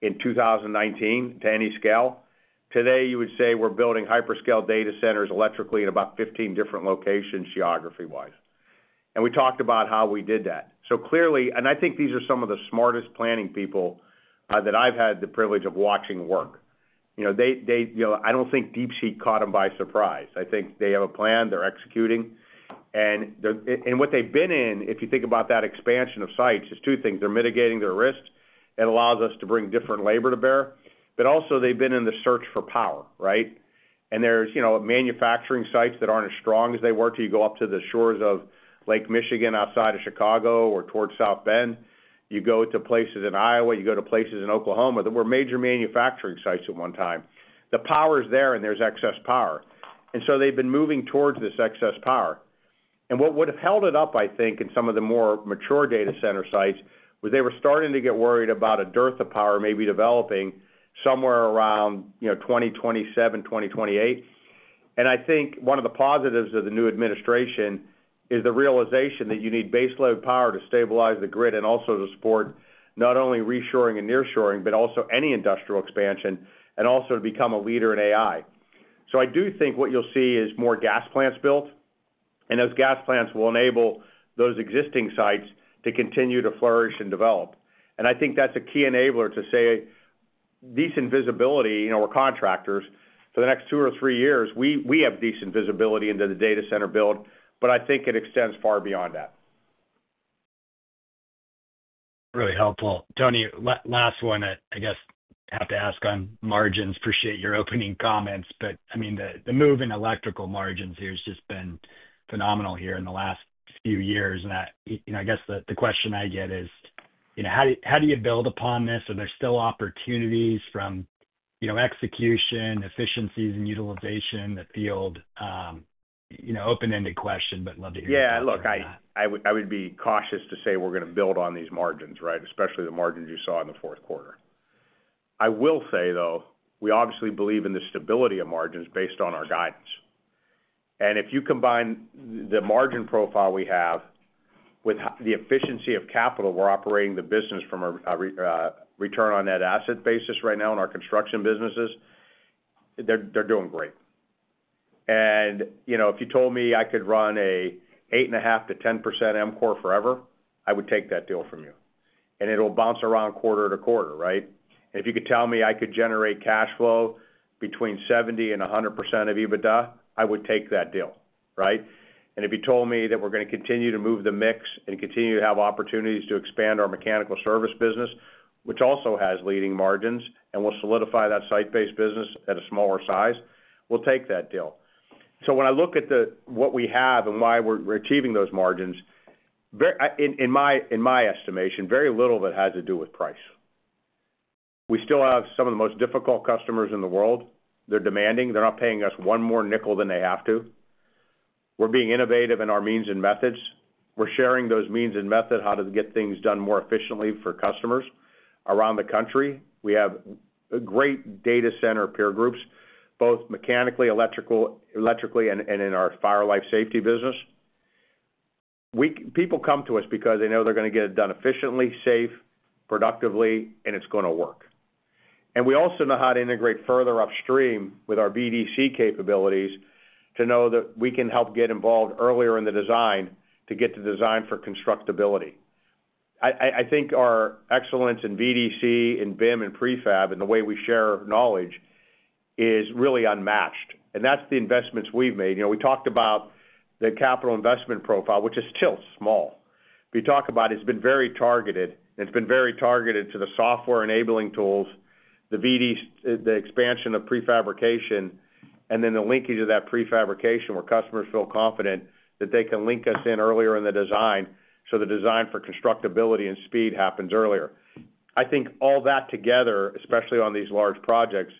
in 2019 to any scale. Today, you would say we're building hyperscale data centers electrically in about 15 different locations geography-wise, and we talked about how we did that, so clearly, and I think these are some of the smartest planning people that I've had the privilege of watching work. I don't think DeepSeek caught them by surprise. I think they have a plan they're executing. And what they've been in, if you think about that expansion of sites, is two things. They're mitigating their risk. It allows us to bring different labor to bear. But also, they've been in the search for power, right? And there's manufacturing sites that aren't as strong as they were until you go up to the shores of Lake Michigan outside of Chicago or towards South Bend. You go to places in Iowa. You go to places in Oklahoma that were major manufacturing sites at one time. The power is there, and there's excess power. And so they've been moving towards this excess power. And what would have held it up, I think, in some of the more mature data center sites was they were starting to get worried about a dearth of power maybe developing somewhere around 2027, 2028. I think one of the positives of the new administration is the realization that you need baseload power to stabilize the grid and also to support not only reshoring and nearshoring, but also any industrial expansion and also to become a leader in AI. I do think what you'll see is more gas plants built, and those gas plants will enable those existing sites to continue to flourish and develop. I think that's a key enabler to say decent visibility. We're contractors for the next two or three years. We have decent visibility into the data center build, but I think it extends far beyond that. Really helpful. Tony, last one that I guess I have to ask on margins. Appreciate your opening comments, but I mean, the move in electrical margins here has just been phenomenal here in the last few years. And I guess the question I get is, how do you build upon this? Are there still opportunities from execution, efficiencies, and utilization in the field? Open-ended question, but love to hear it. Yeah. Look, I would be cautious to say we're going to build on these margins, right? Especially the margins you saw in the fourth quarter. I will say, though, we obviously believe in the stability of margins based on our guidance. And if you combine the margin profile we have with the efficiency of capital, we're operating the business from a return on net asset basis right now in our construction businesses. They're doing great. And if you told me I could run an 8.5%-10% EMCOR forever, I would take that deal from you. And it'll bounce around quarter to quarter, right? And if you could tell me I could generate cash flow between 70%-100% of EBITDA, I would take that deal, right? If you told me that we're going to continue to move the mix and continue to have opportunities to expand our mechanical service business, which also has leading margins and will solidify that site-based business at a smaller size, we'll take that deal. When I look at what we have and why we're achieving those margins, in my estimation, very little of it has to do with price. We still have some of the most difficult customers in the world. They're demanding. They're not paying us one more nickel than they have to. We're being innovative in our means and methods. We're sharing those means and methods on how to get things done more efficiently for customers around the country. We have great data center peer groups, both mechanically, electrically, and in our fire life safety business. People come to us because they know they're going to get it done efficiently, safe, productively, and it's going to work, and we also know how to integrate further upstream with our VDC capabilities to know that we can help get involved earlier in the design to get the design for constructability. I think our excellence in VDC and BIM and prefab and the way we share knowledge is really unmatched, and that's the investments we've made. We talked about the capital investment profile, which is still small. We talk about it's been very targeted, and it's been very targeted to the software enabling tools, the expansion of prefabrication, and then the linkage of that prefabrication where customers feel confident that they can link us in earlier in the design so the design for constructability and speed happens earlier. I think all that together, especially on these large projects,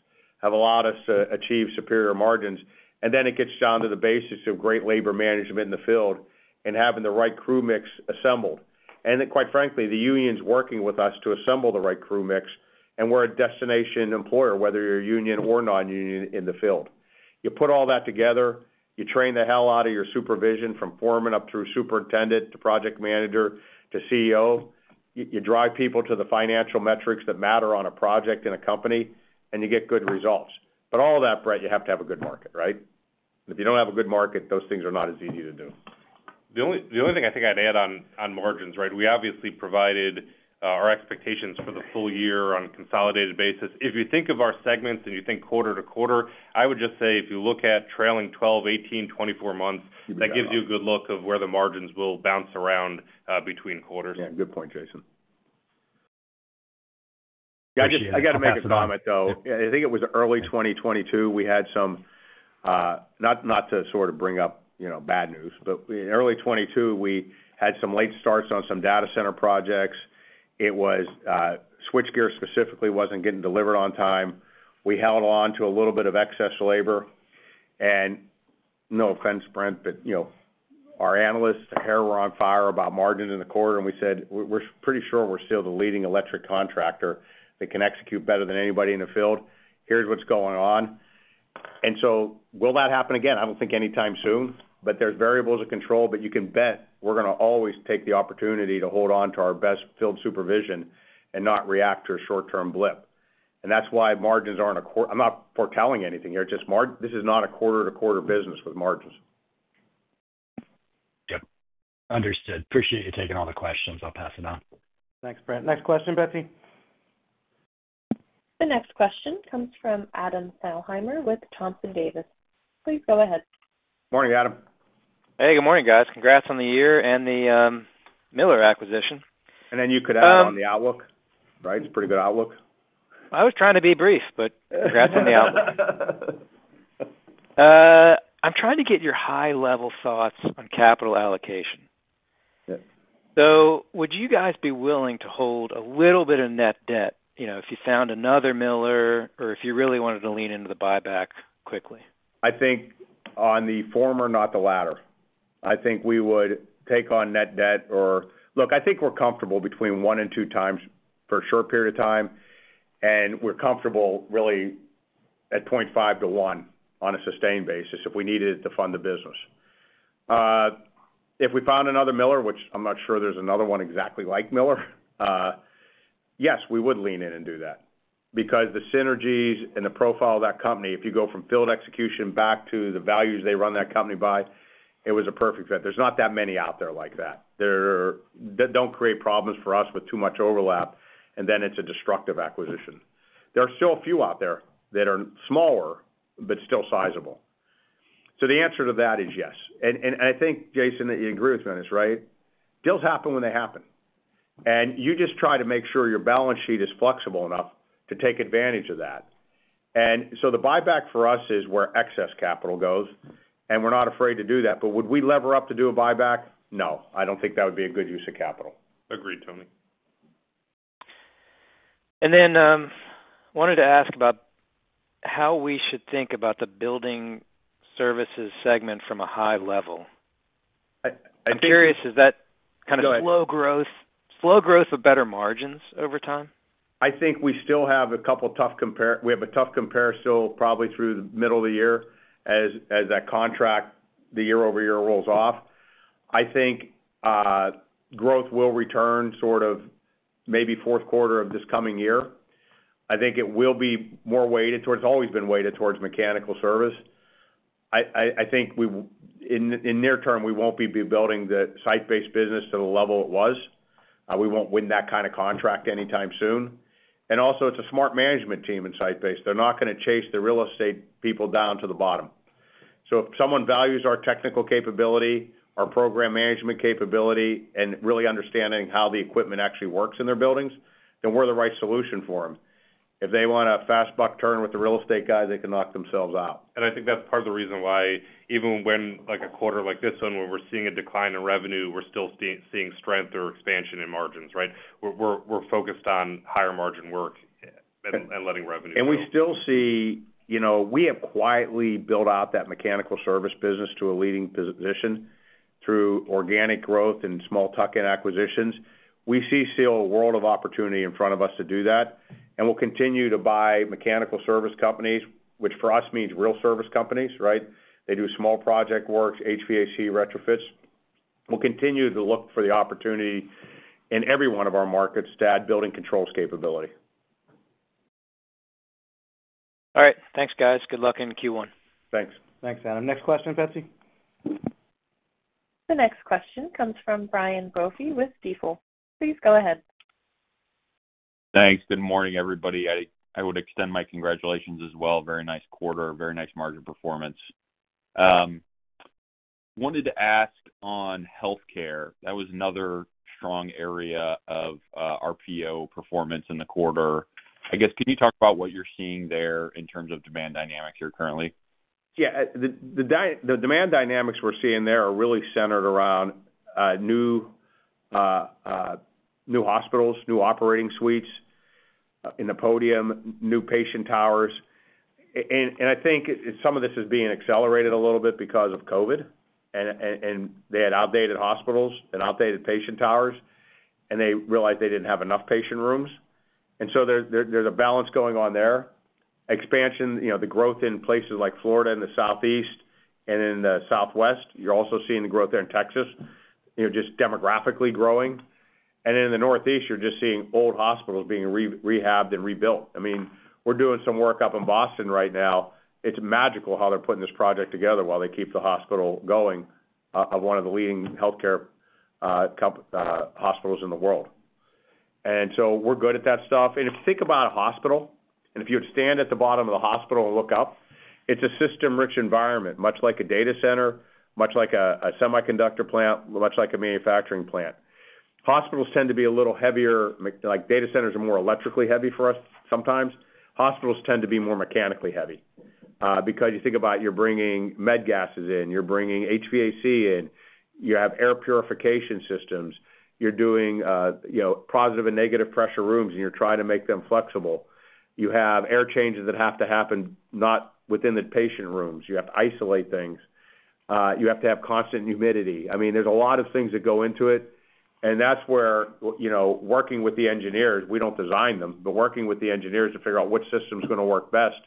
have allowed us to achieve superior margins. And then it gets down to the basics of great labor management in the field and having the right crew mix assembled. And quite frankly, the union's working with us to assemble the right crew mix, and we're a destination employer, whether you're a union or non-union in the field. You put all that together. You train the hell out of your supervision from foreman up through superintendent to project manager to CEO. You drive people to the financial metrics that matter on a project in a company, and you get good results. But all of that, Brent, you have to have a good market, right? If you don't have a good market, those things are not as easy to do. The only thing I think I'd add on margins, right? We obviously provided our expectations for the full year on a consolidated basis. If you think of our segments and you think quarter to quarter, I would just say if you look at trailing 12, 18, 24 months, that gives you a good look of where the margins will bounce around between quarters. Yeah. Good point, Jason. I got to make a comment, though. I think it was early 2022. We had some, not to sort of bring up bad news, but in early 2022, we had some late starts on some data center projects. It was switchgear specifically wasn't getting delivered on time. We held on to a little bit of excess labor. And no offense, Brent, but our analysts were on fire about margins in the quarter, and we said, "We're pretty sure we're still the leading electric contractor that can execute better than anybody in the field. Here's what's going on," and so will that happen again? I don't think anytime soon, but there's variables out of control, but you can bet we're going to always take the opportunity to hold on to our best field supervision and not react to a short-term blip. And that's why margins aren't a quarter. I'm not foretelling anything here. This is not a quarter-to-quarter business with margins. Yep. Understood. Appreciate you taking all the questions. I'll pass it on. Thanks, Brent. Next question, Betsy? The next question comes from Adam Thalhimer with Thompson Davis. Please go ahead. Morning, Adam. Hey, good morning, guys. Congrats on the year and the Miller acquisition. And then you could add on the outlook, right? It's a pretty good outlook. I was trying to be brief, but congrats on the outlook. I'm trying to get your high-level thoughts on capital allocation. So would you guys be willing to hold a little bit of net debt if you found another Miller or if you really wanted to lean into the buyback quickly? I think on the former, not the latter. I think we would take on net debt or look. I think we're comfortable between one and two times for a short period of time, and we're comfortable really at 0.5-1 on a sustained basis if we needed it to fund the business. If we found another Miller, which I'm not sure there's another one exactly like Miller, yes, we would lean in and do that because the synergies and the profile of that company, if you go from field execution back to the values they run that company by, it was a perfect fit. There's not that many out there like that. They don't create problems for us with too much overlap, and then it's a destructive acquisition. There are still a few out there that are smaller but still sizable. So the answer to that is yes. And I think, Jason, that you agree with me on this, right? Deals happen when they happen. And you just try to make sure your balance sheet is flexible enough to take advantage of that. And so the buyback for us is where excess capital goes, and we're not afraid to do that. But would we lever up to do a buyback? No, I don't think that would be a good use of capital. Agreed, Tony. Then I wanted to ask about how we should think about the building services segment from a high level. I'm curious, is that kind of slow growth of better margins over time? I think we still have a couple of tough comparisons. We have a tough comparison still probably through the middle of the year as that contract, the year-over-year, rolls off. I think growth will return sort of maybe fourth quarter of this coming year. I think it will be more weighted towards. It's always been weighted towards mechanical service. I think in near term, we won't be building the site-based business to the level it was. We won't win that kind of contract anytime soon. And also, it's a smart management team in site-based. They're not going to chase the real estate people down to the bottom. So if someone values our technical capability, our program management capability, and really understanding how the equipment actually works in their buildings, then we're the right solution for them. If they want a fast buck turn with the real estate guy, they can knock themselves out. I think that's part of the reason why even when a quarter like this one where we're seeing a decline in revenue, we're still seeing strength or expansion in margins, right? We're focused on higher margin work and letting revenue go. We still see we have quietly built out that mechanical service business to a leading position through organic growth and small tuck-in acquisitions. We see still a world of opportunity in front of us to do that. And we'll continue to buy mechanical service companies, which for us means real service companies, right? They do small project work, HVAC, retrofits. We'll continue to look for the opportunity in every one of our markets to add building controls capability. All right. Thanks, guys. Good luck in Q1. Thanks. Thanks, Adam. Next question, Betsy? The next question comes from Brian Brophy with Stifel. Please go ahead. Thanks. Good morning, everybody. I would extend my congratulations as well. Very nice quarter, very nice margin performance. Wanted to ask on healthcare. That was another strong area of RPO performance in the quarter. I guess, can you talk about what you're seeing there in terms of demand dynamics here currently? Yeah. The demand dynamics we're seeing there are really centered around new hospitals, new operating suites in the podium, new patient towers, and I think some of this is being accelerated a little bit because of COVID, and they had outdated hospitals and outdated patient towers, and they realized they didn't have enough patient rooms, and so there's a balance going on there. Expansion, the growth in places like Florida and the Southeast and in the Southwest, you're also seeing the growth there in Texas, just demographically growing, and in the Northeast, you're just seeing old hospitals being rehabbed and rebuilt. I mean, we're doing some work up in Boston right now. It's magical how they're putting this project together while they keep the hospital going, one of the leading healthcare hospitals in the world, and so we're good at that stuff. If you think about a hospital, and if you would stand at the bottom of the hospital and look up, it's a system-rich environment, much like a data center, much like a semiconductor plant, much like a manufacturing plant. Hospitals tend to be a little heavier. Data centers are more electrically heavy for us sometimes. Hospitals tend to be more mechanically heavy because you think about you're bringing med gases in, you're bringing HVAC in, you have air purification systems, you're doing positive and negative pressure rooms, and you're trying to make them flexible. You have air changes that have to happen not within the patient rooms. You have to isolate things. You have to have constant humidity. I mean, there's a lot of things that go into it. That's where working with the engineers. We don't design them. But working with the engineers to figure out which system's going to work best,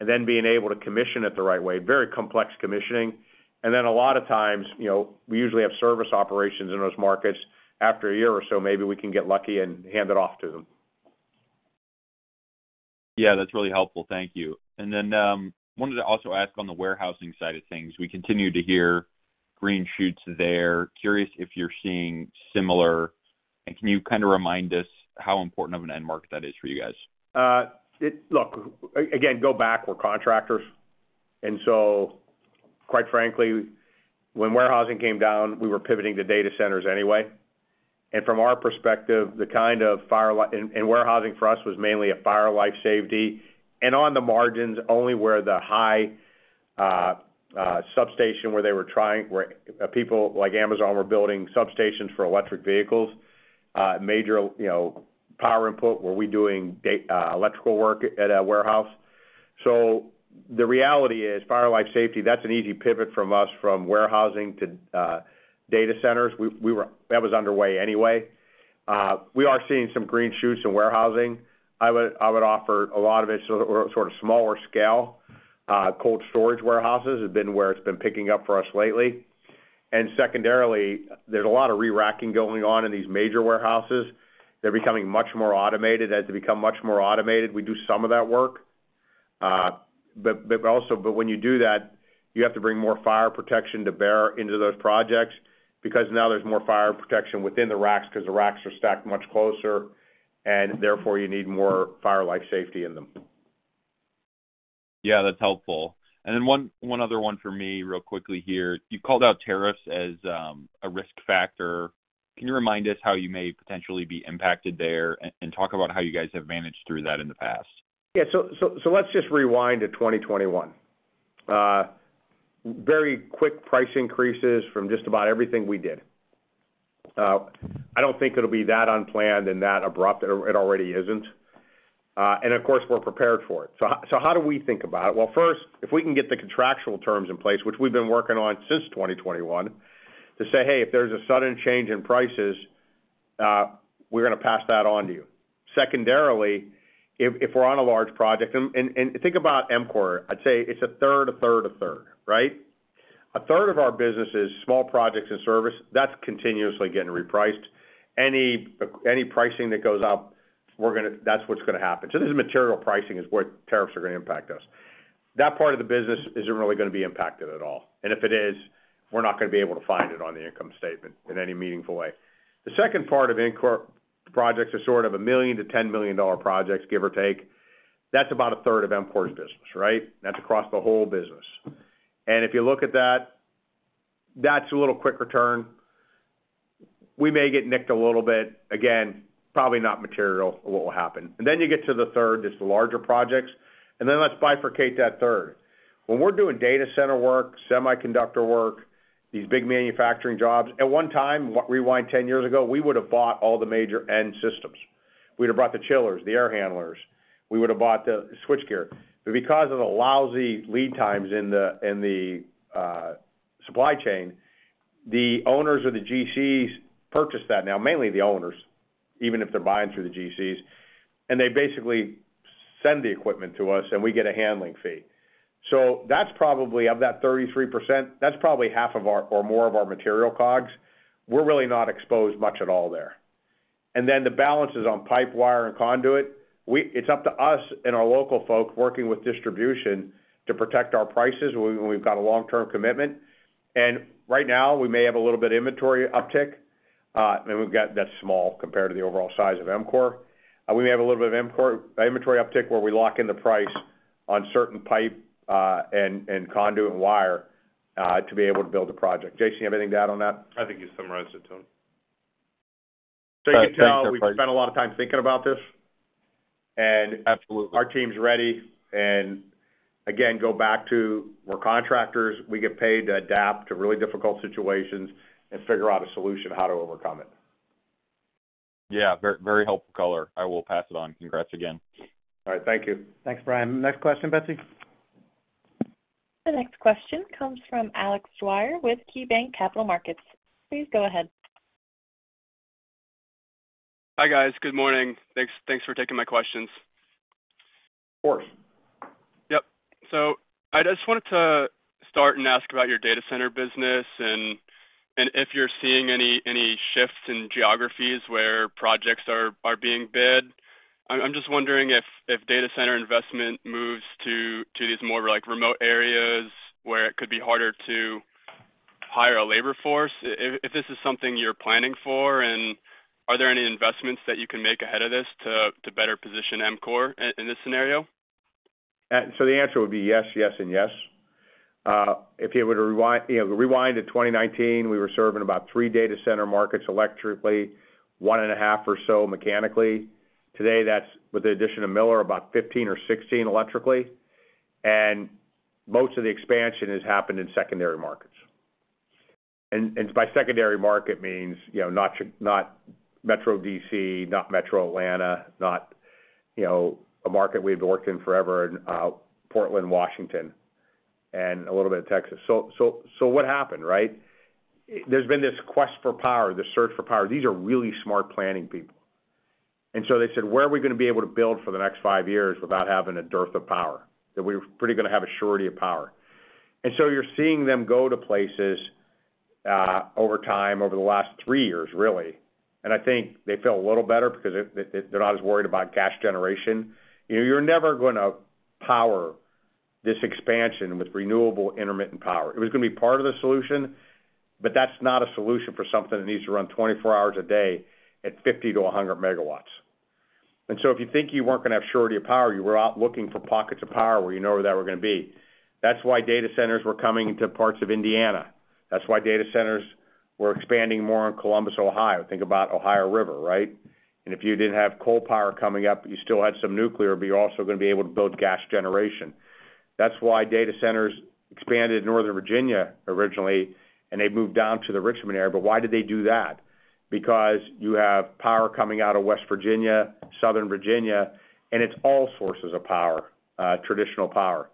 and then being able to commission it the right way. Very complex commissioning. Then a lot of times, we usually have service operations in those markets. After a year or so, maybe we can get lucky and hand it off to them. Yeah, that's really helpful. Thank you. And then wanted to also ask on the warehousing side of things. We continue to hear green shoots there. Curious if you're seeing similar, and can you kind of remind us how important of an end market that is for you guys? Look, again, go back. We're contractors. And so quite frankly, when warehousing came down, we were pivoting to data centers anyway. And from our perspective, the kind of work in warehousing for us was mainly fire and life safety and on the margins only where the high substation, where they were trying, where people like Amazon were building substations for electric vehicles, major power input. Were we doing electrical work at a warehouse? So the reality is fire and life safety. That's an easy pivot from us from warehousing to data centers. That was underway anyway. We are seeing some green shoots in warehousing. I would offer a lot of it sort of smaller scale cold storage warehouses has been where it's been picking up for us lately. And secondarily, there's a lot of reracking going on in these major warehouses. They're becoming much more automated. As they become much more automated, we do some of that work. But when you do that, you have to bring more fire protection to bear into those projects because now there's more fire protection within the racks because the racks are stacked much closer, and therefore you need more fire life safety in them. Yeah, that's helpful. And then one other one for me real quickly here. You called out tariffs as a risk factor. Can you remind us how you may potentially be impacted there and talk about how you guys have managed through that in the past? Yeah. So let's just rewind to 2021. Very quick price increases from just about everything we did. I don't think it'll be that unplanned and that abrupt. It already isn't. And of course, we're prepared for it. So how do we think about it? Well, first, if we can get the contractual terms in place, which we've been working on since 2021, to say, "Hey, if there's a sudden change in prices, we're going to pass that on to you." Secondarily, if we're on a large project and think about EMCOR. I'd say it's a third, a third, a third, right? A third of our business is small projects and service. That's continuously getting repriced. Any pricing that goes up, that's what's going to happen. So this is material pricing is what tariffs are going to impact us. That part of the business isn't really going to be impacted at all. And if it is, we're not going to be able to find it on the income statement in any meaningful way. The second part of EMCOR projects are sort of $1 million-$10 million projects, give or take. That's about a third of EMCOR's business, right? That's across the whole business. And if you look at that, that's a little quick return. We may get nicked a little bit. Again, probably not material what will happen. And then you get to the third, just the larger projects. And then let's bifurcate that third. When we're doing data center work, semiconductor work, these big manufacturing jobs, at one time, rewind 10 years ago, we would have bought all the major end systems. We would have brought the chillers, the air handlers. We would have bought the switchgear. But because of the lousy lead times in the supply chain, the owners of the GCs purchase that now, mainly the owners, even if they're buying through the GCs. And they basically send the equipment to us, and we get a handling fee. So that's probably of that 33%, that's probably half or more of our material COGS. We're really not exposed much at all there. And then the balances on pipe, wire and conduit, it's up to us and our local folk working with distribution to protect our prices when we've got a long-term commitment. And right now, we may have a little bit of inventory uptick. I mean, that's small compared to the overall size of EMCOR. We may have a little bit of inventory uptick where we lock in the price on certain pipe and conduit and wire to be able to build the project. Jason, you have anything to add on that? I think you summarized it, Tony. So you can tell we spent a lot of time thinking about this. And our team's ready. And again, go back to we're contractors. We get paid to adapt to really difficult situations and figure out a solution how to overcome it. Yeah. Very helpful color. I will pass it on. Congrats again. All right. Thank you. Thanks, Brian. Next question, Betsy? The next question comes from Alex Dwyer with KeyBanc Capital Markets. Please go ahead. Hi guys. Good morning. Thanks for taking my questions. Of course. Yep, so I just wanted to start and ask about your data center business and if you're seeing any shifts in geographies where projects are being bid. I'm just wondering if data center investment moves to these more remote areas where it could be harder to hire a labor force. If this is something you're planning for, and are there any investments that you can make ahead of this to better position EMCOR in this scenario? So the answer would be yes, yes, and yes. If you were to rewind to 2019, we were serving about three data center markets electrically, one and a half or so mechanically. Today, that's with the addition of Miller, about 15 or 16 electrically. And most of the expansion has happened in secondary markets. And by secondary markets, I mean not Metro D.C., not Metro Atlanta, not a market we've worked in forever, and Portland, Washington, and a little bit of Texas. So what happened, right? There's been this quest for power, this search for power. These are really smart planning people. And so they said, "Where are we going to be able to build for the next five years without having a dearth of power?" That way, we're pretty sure to have a surety of power. And so you're seeing them go to places over time, over the last three years, really. And I think they feel a little better because they're not as worried about gas generation. You're never going to power this expansion with renewable intermittent power. It was going to be part of the solution, but that's not a solution for something that needs to run 24 hours a day at 50-100 megawatts. And so if you think you weren't going to have surety of power, you were out looking for pockets of power where you know where that were going to be. That's why data centers were coming into parts of Indiana. That's why data centers were expanding more in Columbus, Ohio. Think about Ohio River, right? If you didn't have coal power coming up, you still had some nuclear, but you're also going to be able to build gas generation. That's why data centers expanded in Northern Virginia originally, and they moved down to the Richmond area. But why did they do that? Because you have power coming out of West Virginia, Southern Virginia, and it's all sources of power, traditional power.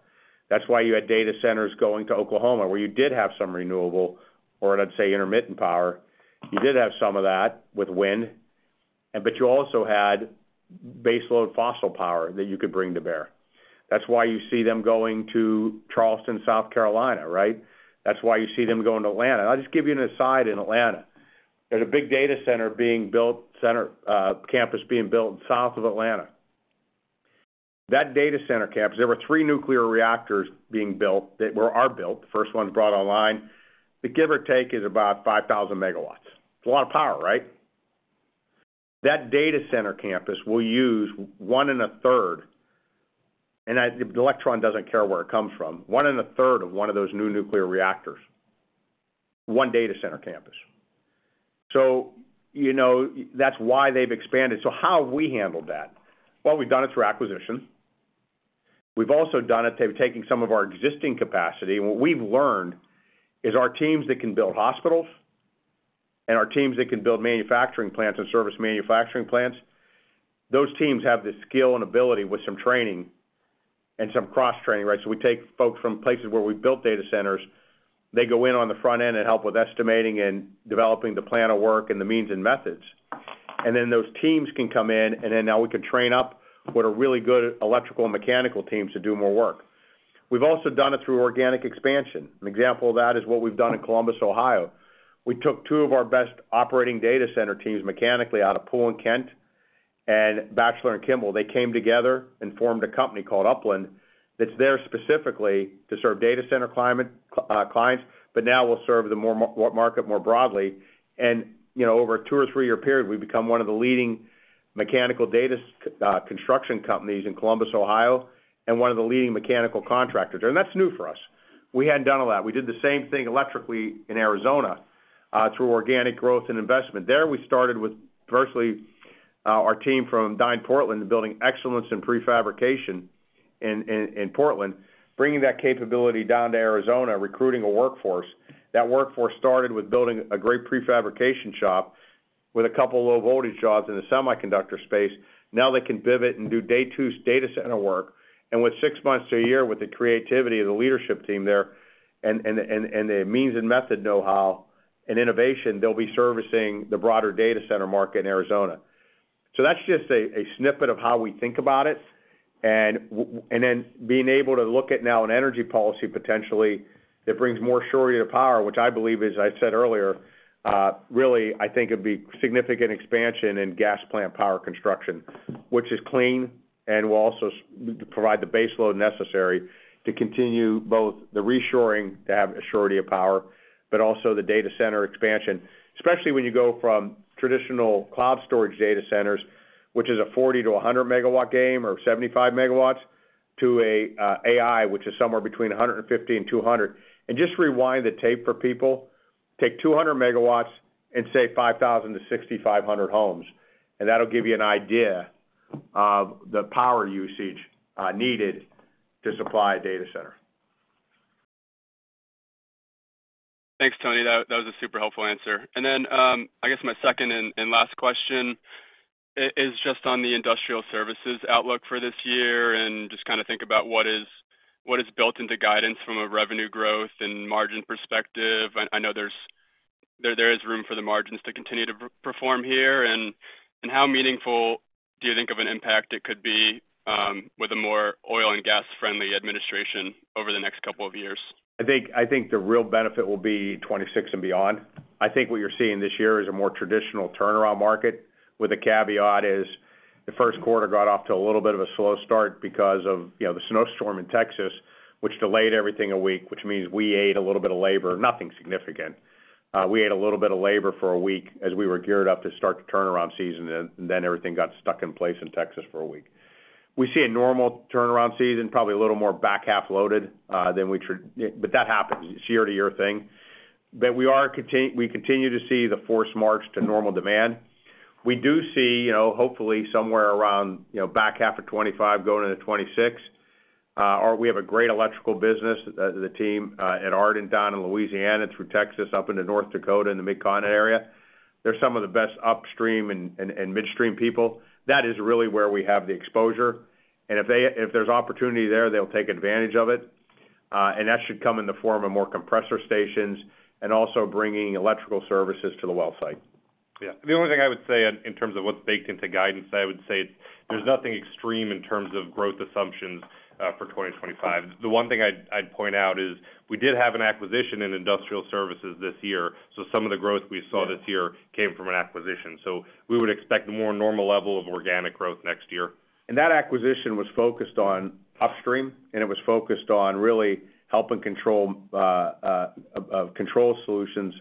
That's why you had data centers going to Oklahoma where you did have some renewable or, I'd say, intermittent power. You did have some of that with wind, but you also had baseload fossil power that you could bring to bear. That's why you see them going to Charleston, South Carolina, right? That's why you see them going to Atlanta. And I'll just give you an aside in Atlanta. There's a big data center being built, campus being built south of Atlanta. That data center campus, there were three nuclear reactors being built that were built. First one's brought online. The give or take is about 5,000 megawatts. It's a lot of power, right? That data center campus will use one and a third, and the electron doesn't care where it comes from, one and a third of one of those new nuclear reactors, one data center campus. So that's why they've expanded. So how have we handled that? Well, we've done it through acquisition. We've also done it by taking some of our existing capacity. And what we've learned is our teams that can build hospitals and our teams that can build manufacturing plants and service manufacturing plants, those teams have the skill and ability with some training and some cross-training, right? So we take folks from places where we've built data centers. They go in on the front end and help with estimating and developing the plan of work and the means and methods, and then those teams can come in, and then now we can train up what are really good electrical and mechanical teams to do more work. We've also done it through organic expansion. An example of that is what we've done in Columbus, Ohio. We took two of our best operating data center teams mechanically out of Poole & Kent and Batchelor & Kimball. They came together and formed a company called Upland that's there specifically to serve data center clients, but now will serve the market more broadly, and over a two- or three-year period, we've become one of the leading mechanical data center construction companies in Columbus, Ohio, and one of the leading mechanical contractors, and that's new for us. We hadn't done a lot. We did the same thing electrically in Arizona through organic growth and investment. There, we started with virtually our team from Dynalectric Portland and building excellence in prefabrication in Portland, bringing that capability down to Arizona, recruiting a workforce. That workforce started with building a great prefabrication shop with a couple of low-voltage jobs in the semiconductor space. Now they can pivot and do day-to-day data center work, and with six months to a year with the creativity of the leadership team there and the means and method know-how and innovation, they'll be servicing the broader data center market in Arizona, so that's just a snippet of how we think about it. And then being able to look at now an energy policy potentially that brings more surety of power, which I believe is, as I said earlier, really, I think it'd be significant expansion in gas plant power construction, which is clean and will also provide the baseload necessary to continue both the reshoring to have a surety of power, but also the data center expansion, especially when you go from traditional cloud storage data centers, which is a 40-100 megawatt game or 75 megawatts, to an AI, which is somewhere between 150 and 200. And just rewind the tape for people. Take 200 megawatts and say 5,000 to 6,500 homes. And that'll give you an idea of the power usage needed to supply a data center. Thanks, Tony. That was a super helpful answer. And then I guess my second and last question is just on the industrial services outlook for this year and just kind of think about what is built into guidance from a revenue growth and margin perspective. I know there is room for the margins to continue to perform here. And how meaningful do you think of an impact it could be with a more oil and gas-friendly administration over the next couple of years? I think the real benefit will be 2026 and beyond. I think what you're seeing this year is a more traditional turnaround market with a caveat is the first quarter got off to a little bit of a slow start because of the snowstorm in Texas, which delayed everything a week, which means we ate a little bit of labor, nothing significant. We ate a little bit of labor for a week as we were geared up to start the turnaround season, and then everything got stuck in place in Texas for a week. We see a normal turnaround season, probably a little more back half loaded than we should, but that happens. It's year-to-year thing. But we continue to see the force march to normal demand. We do see, hopefully, somewhere around back half of 2025 going into 2026. We have a great electrical business, the team at Ardent in Louisiana through Texas up into North Dakota in the Mid-Con area. They're some of the best upstream and midstream people. That is really where we have the exposure. And if there's opportunity there, they'll take advantage of it. And that should come in the form of more compressor stations and also bringing electrical services to the well site. Yeah. The only thing I would say in terms of what's baked into guidance, I would say there's nothing extreme in terms of growth assumptions for 2025. The one thing I'd point out is we did have an acquisition in industrial services this year. So some of the growth we saw this year came from an acquisition. So we would expect a more normal level of organic growth next year. And that acquisition was focused on upstream, and it was focused on really helping control solutions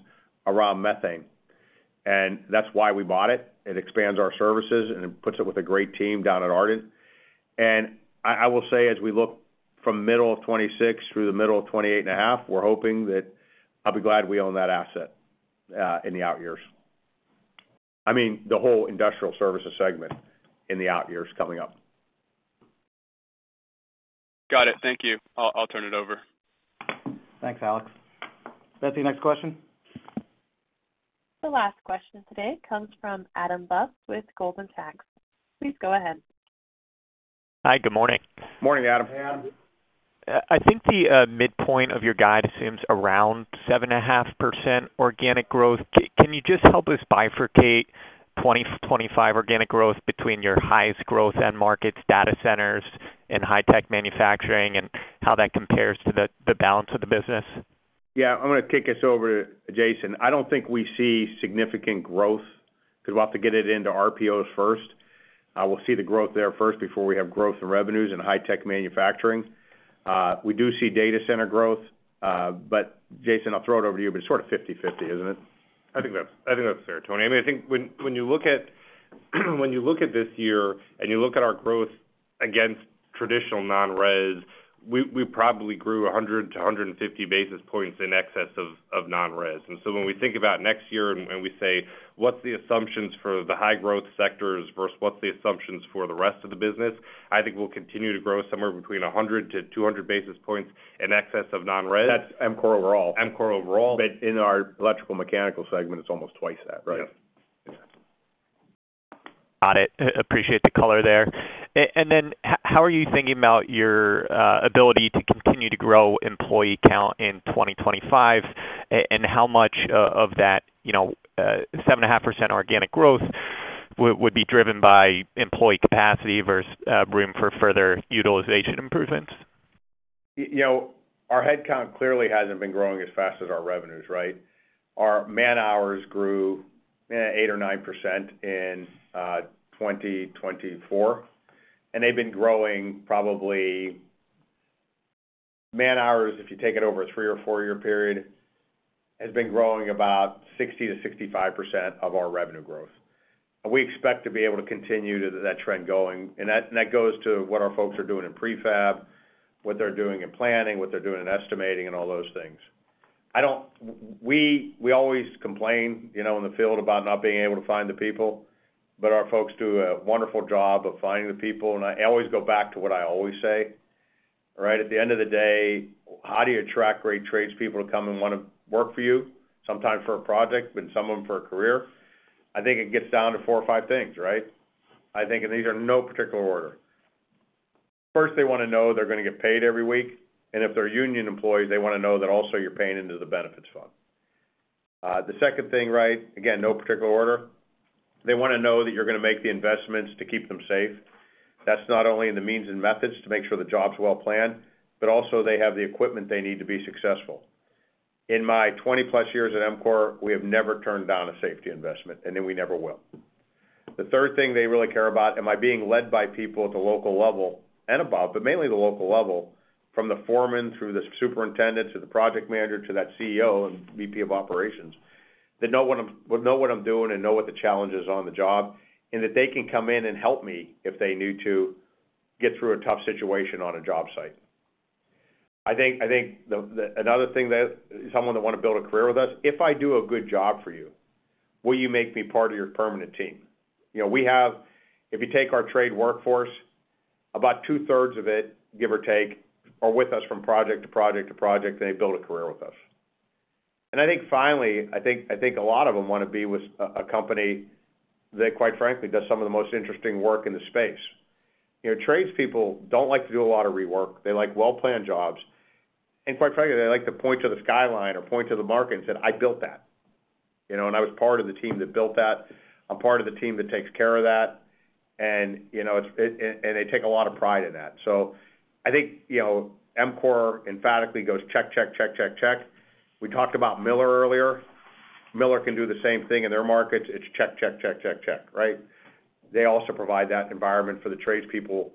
around methane. And that's why we bought it. It expands our services and puts it with a great team down at Ardent. And I will say, as we look from middle of 2026 through the middle of 2028 and a half, we're hoping that I'll be glad we own that asset in the out years. I mean, the whole industrial services segment in the out years coming up. Got it. Thank you. I'll turn it over. Thanks, Alex. Betsy, next question. The last question today comes from Adam Bubes with Goldman Sachs. Please go ahead. Hi, good morning. Morning, Adam. Hey, Adam. I think the midpoint of your guide assumes around 7.5% organic growth. Can you just help us bifurcate 2025 organic growth between your highest growth and market data centers and high-tech manufacturing and how that compares to the balance of the business? Yeah. I'm going to kick us over to Jason. I don't think we see significant growth because we'll have to get it into RPOs first. We'll see the growth there first before we have growth in revenues and high-tech manufacturing. We do see data center growth, but Jason, I'll throw it over to you, but it's sort of 50/50, isn't it? I think that's fair, Tony. I mean, I think when you look at this year and you look at our growth against traditional non-res, we probably grew 100-150 basis points in excess of non-res. And so when we think about next year and we say, "What's the assumptions for the high-growth sectors versus what's the assumptions for the rest of the business?" I think we'll continue to grow somewhere between 100-200 basis points in excess of non-res. That's EMCOR overall. EMCOR overall. But in our electrical mechanical segment, it's almost twice that, right? Yeah. Exactly. Got it. Appreciate the color there, and then how are you thinking about your ability to continue to grow employee count in 2025 and how much of that 7.5% organic growth would be driven by employee capacity versus room for further utilization improvements? Our headcount clearly hasn't been growing as fast as our revenues, right? Our man-hours grew 8 or 9% in 2024, and they've been growing probably man-hours, if you take it over a three or four-year period, has been growing about 60%-65% of our revenue growth. We expect to be able to continue that trend going. And that goes to what our folks are doing in prefab, what they're doing in planning, what they're doing in estimating, and all those things. We always complain in the field about not being able to find the people, but our folks do a wonderful job of finding the people. And I always go back to what I always say, right? At the end of the day, how do you attract great tradespeople to come and want to work for you? Sometimes for a project, but some of them for a career. I think it gets down to four or five things, right? I think, and these are in no particular order. First, they want to know they're going to get paid every week. And if they're union employees, they want to know that also you're paying into the benefits fund. The second thing, right? Again, no particular order. They want to know that you're going to make the investments to keep them safe. That's not only in the means and methods to make sure the job's well planned, but also they have the equipment they need to be successful. In my 20-plus years at EMCOR, we have never turned down a safety investment, and then we never will. The third thing they really care about, am I being led by people at the local level and above, but mainly the local level, from the foreman through the superintendent to the project manager to that CEO and VP of operations, that know what I'm doing and know what the challenge is on the job, and that they can come in and help me if they need to get through a tough situation on a job site. I think another thing that someone that wants to build a career with us, if I do a good job for you, will you make me part of your permanent team? If you take our trade workforce, about two-thirds of it, give or take, are with us from project to project to project, and they build a career with us. I think finally, I think a lot of them want to be with a company that, quite frankly, does some of the most interesting work in the space. Tradespeople don't like to do a lot of rework. They like well-planned jobs. And quite frankly, they like to point to the skyline or point to the market and say, "I built that. And I was part of the team that built that. I'm part of the team that takes care of that." And they take a lot of pride in that. So I think EMCOR emphatically goes check, check, check, check, check. We talked about Miller earlier. Miller can do the same thing in their markets. It's check, check, check, check, check, right? They also provide that environment for the tradespeople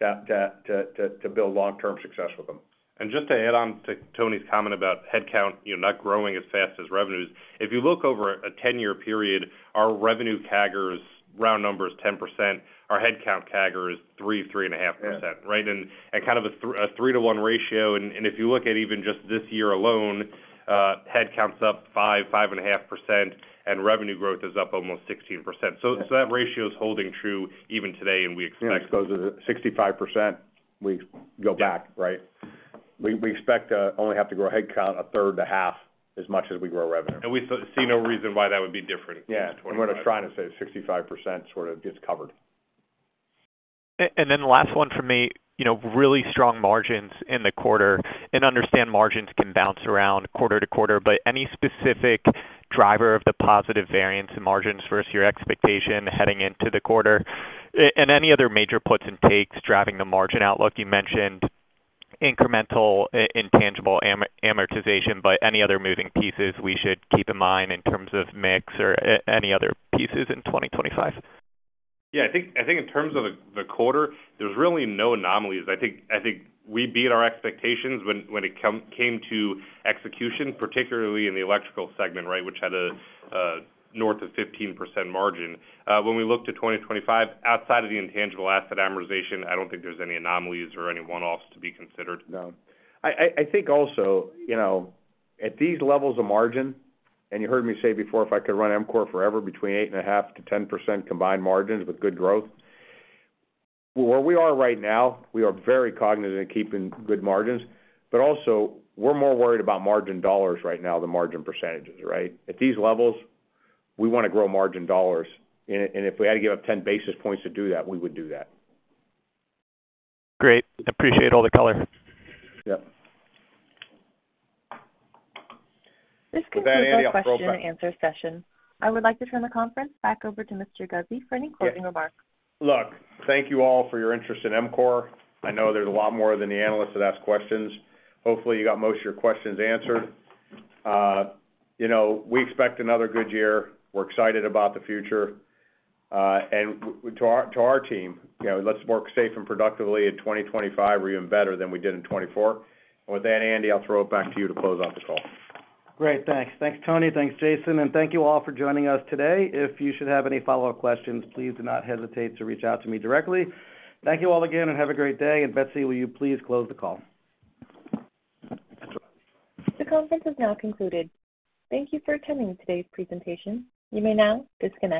to build long-term success with them. And just to add on to Tony's comment about headcount not growing as fast as revenues, if you look over a 10-year period, our revenue CAGR is round numbers 10%. Our headcount CAGR is 3%-3.5%, right? And if you look at even just this year alone, headcount's up 5%-5.5%, and revenue growth is up almost 16%. So that ratio is holding true even today, and we expect. Yeah. It goes to 65%. We go back, right? We expect to only have to grow headcount a third to half as much as we grow revenue. We see no reason why that would be different. Yeah. We're not trying to say 65% sort of gets covered. And then the last one for me, really strong margins in the quarter. And understand margins can bounce around quarter to quarter, but any specific driver of the positive variance in margins versus your expectation heading into the quarter? And any other major puts and takes driving the margin outlook? You mentioned incremental intangible amortization, but any other moving pieces we should keep in mind in terms of mix or any other pieces in 2025? Yeah. I think in terms of the quarter, there's really no anomalies. I think we beat our expectations when it came to execution, particularly in the electrical segment, right, which had a north of 15% margin. When we look to 2025, outside of the intangible asset amortization, I don't think there's any anomalies or any one-offs to be considered. No. I think also, at these levels of margin, and you heard me say before if I could run EMCOR forever between 8.5%-10% combined margins with good growth, where we are right now, we are very cognizant of keeping good margins, but also, we're more worried about margin dollars right now than margin percentages, right? At these levels, we want to grow margin dollars, and if we had to give up 10 basis points to do that, we would do that. Great. Appreciate all the color. Yep. This concludes the question and answer session. I would like to turn the conference back over to Mr. Guzzi for any closing remarks. Look, thank you all for your interest in EMCOR. I know there's a lot more than the analysts that ask questions. Hopefully, you got most of your questions answered. We expect another good year. We're excited about the future. And to our team, let's work safe and productively in 2025 or even better than we did in 2024. And with that, Andy, I'll throw it back to you to close out the call. Great. Thanks. Thanks, Tony. Thanks, Jason. And thank you all for joining us today. If you should have any follow-up questions, please do not hesitate to reach out to me directly. Thank you all again and have a great day. And Betsy, will you please close the call? The conference is now concluded. Thank you for attending today's presentation. You may now disconnect.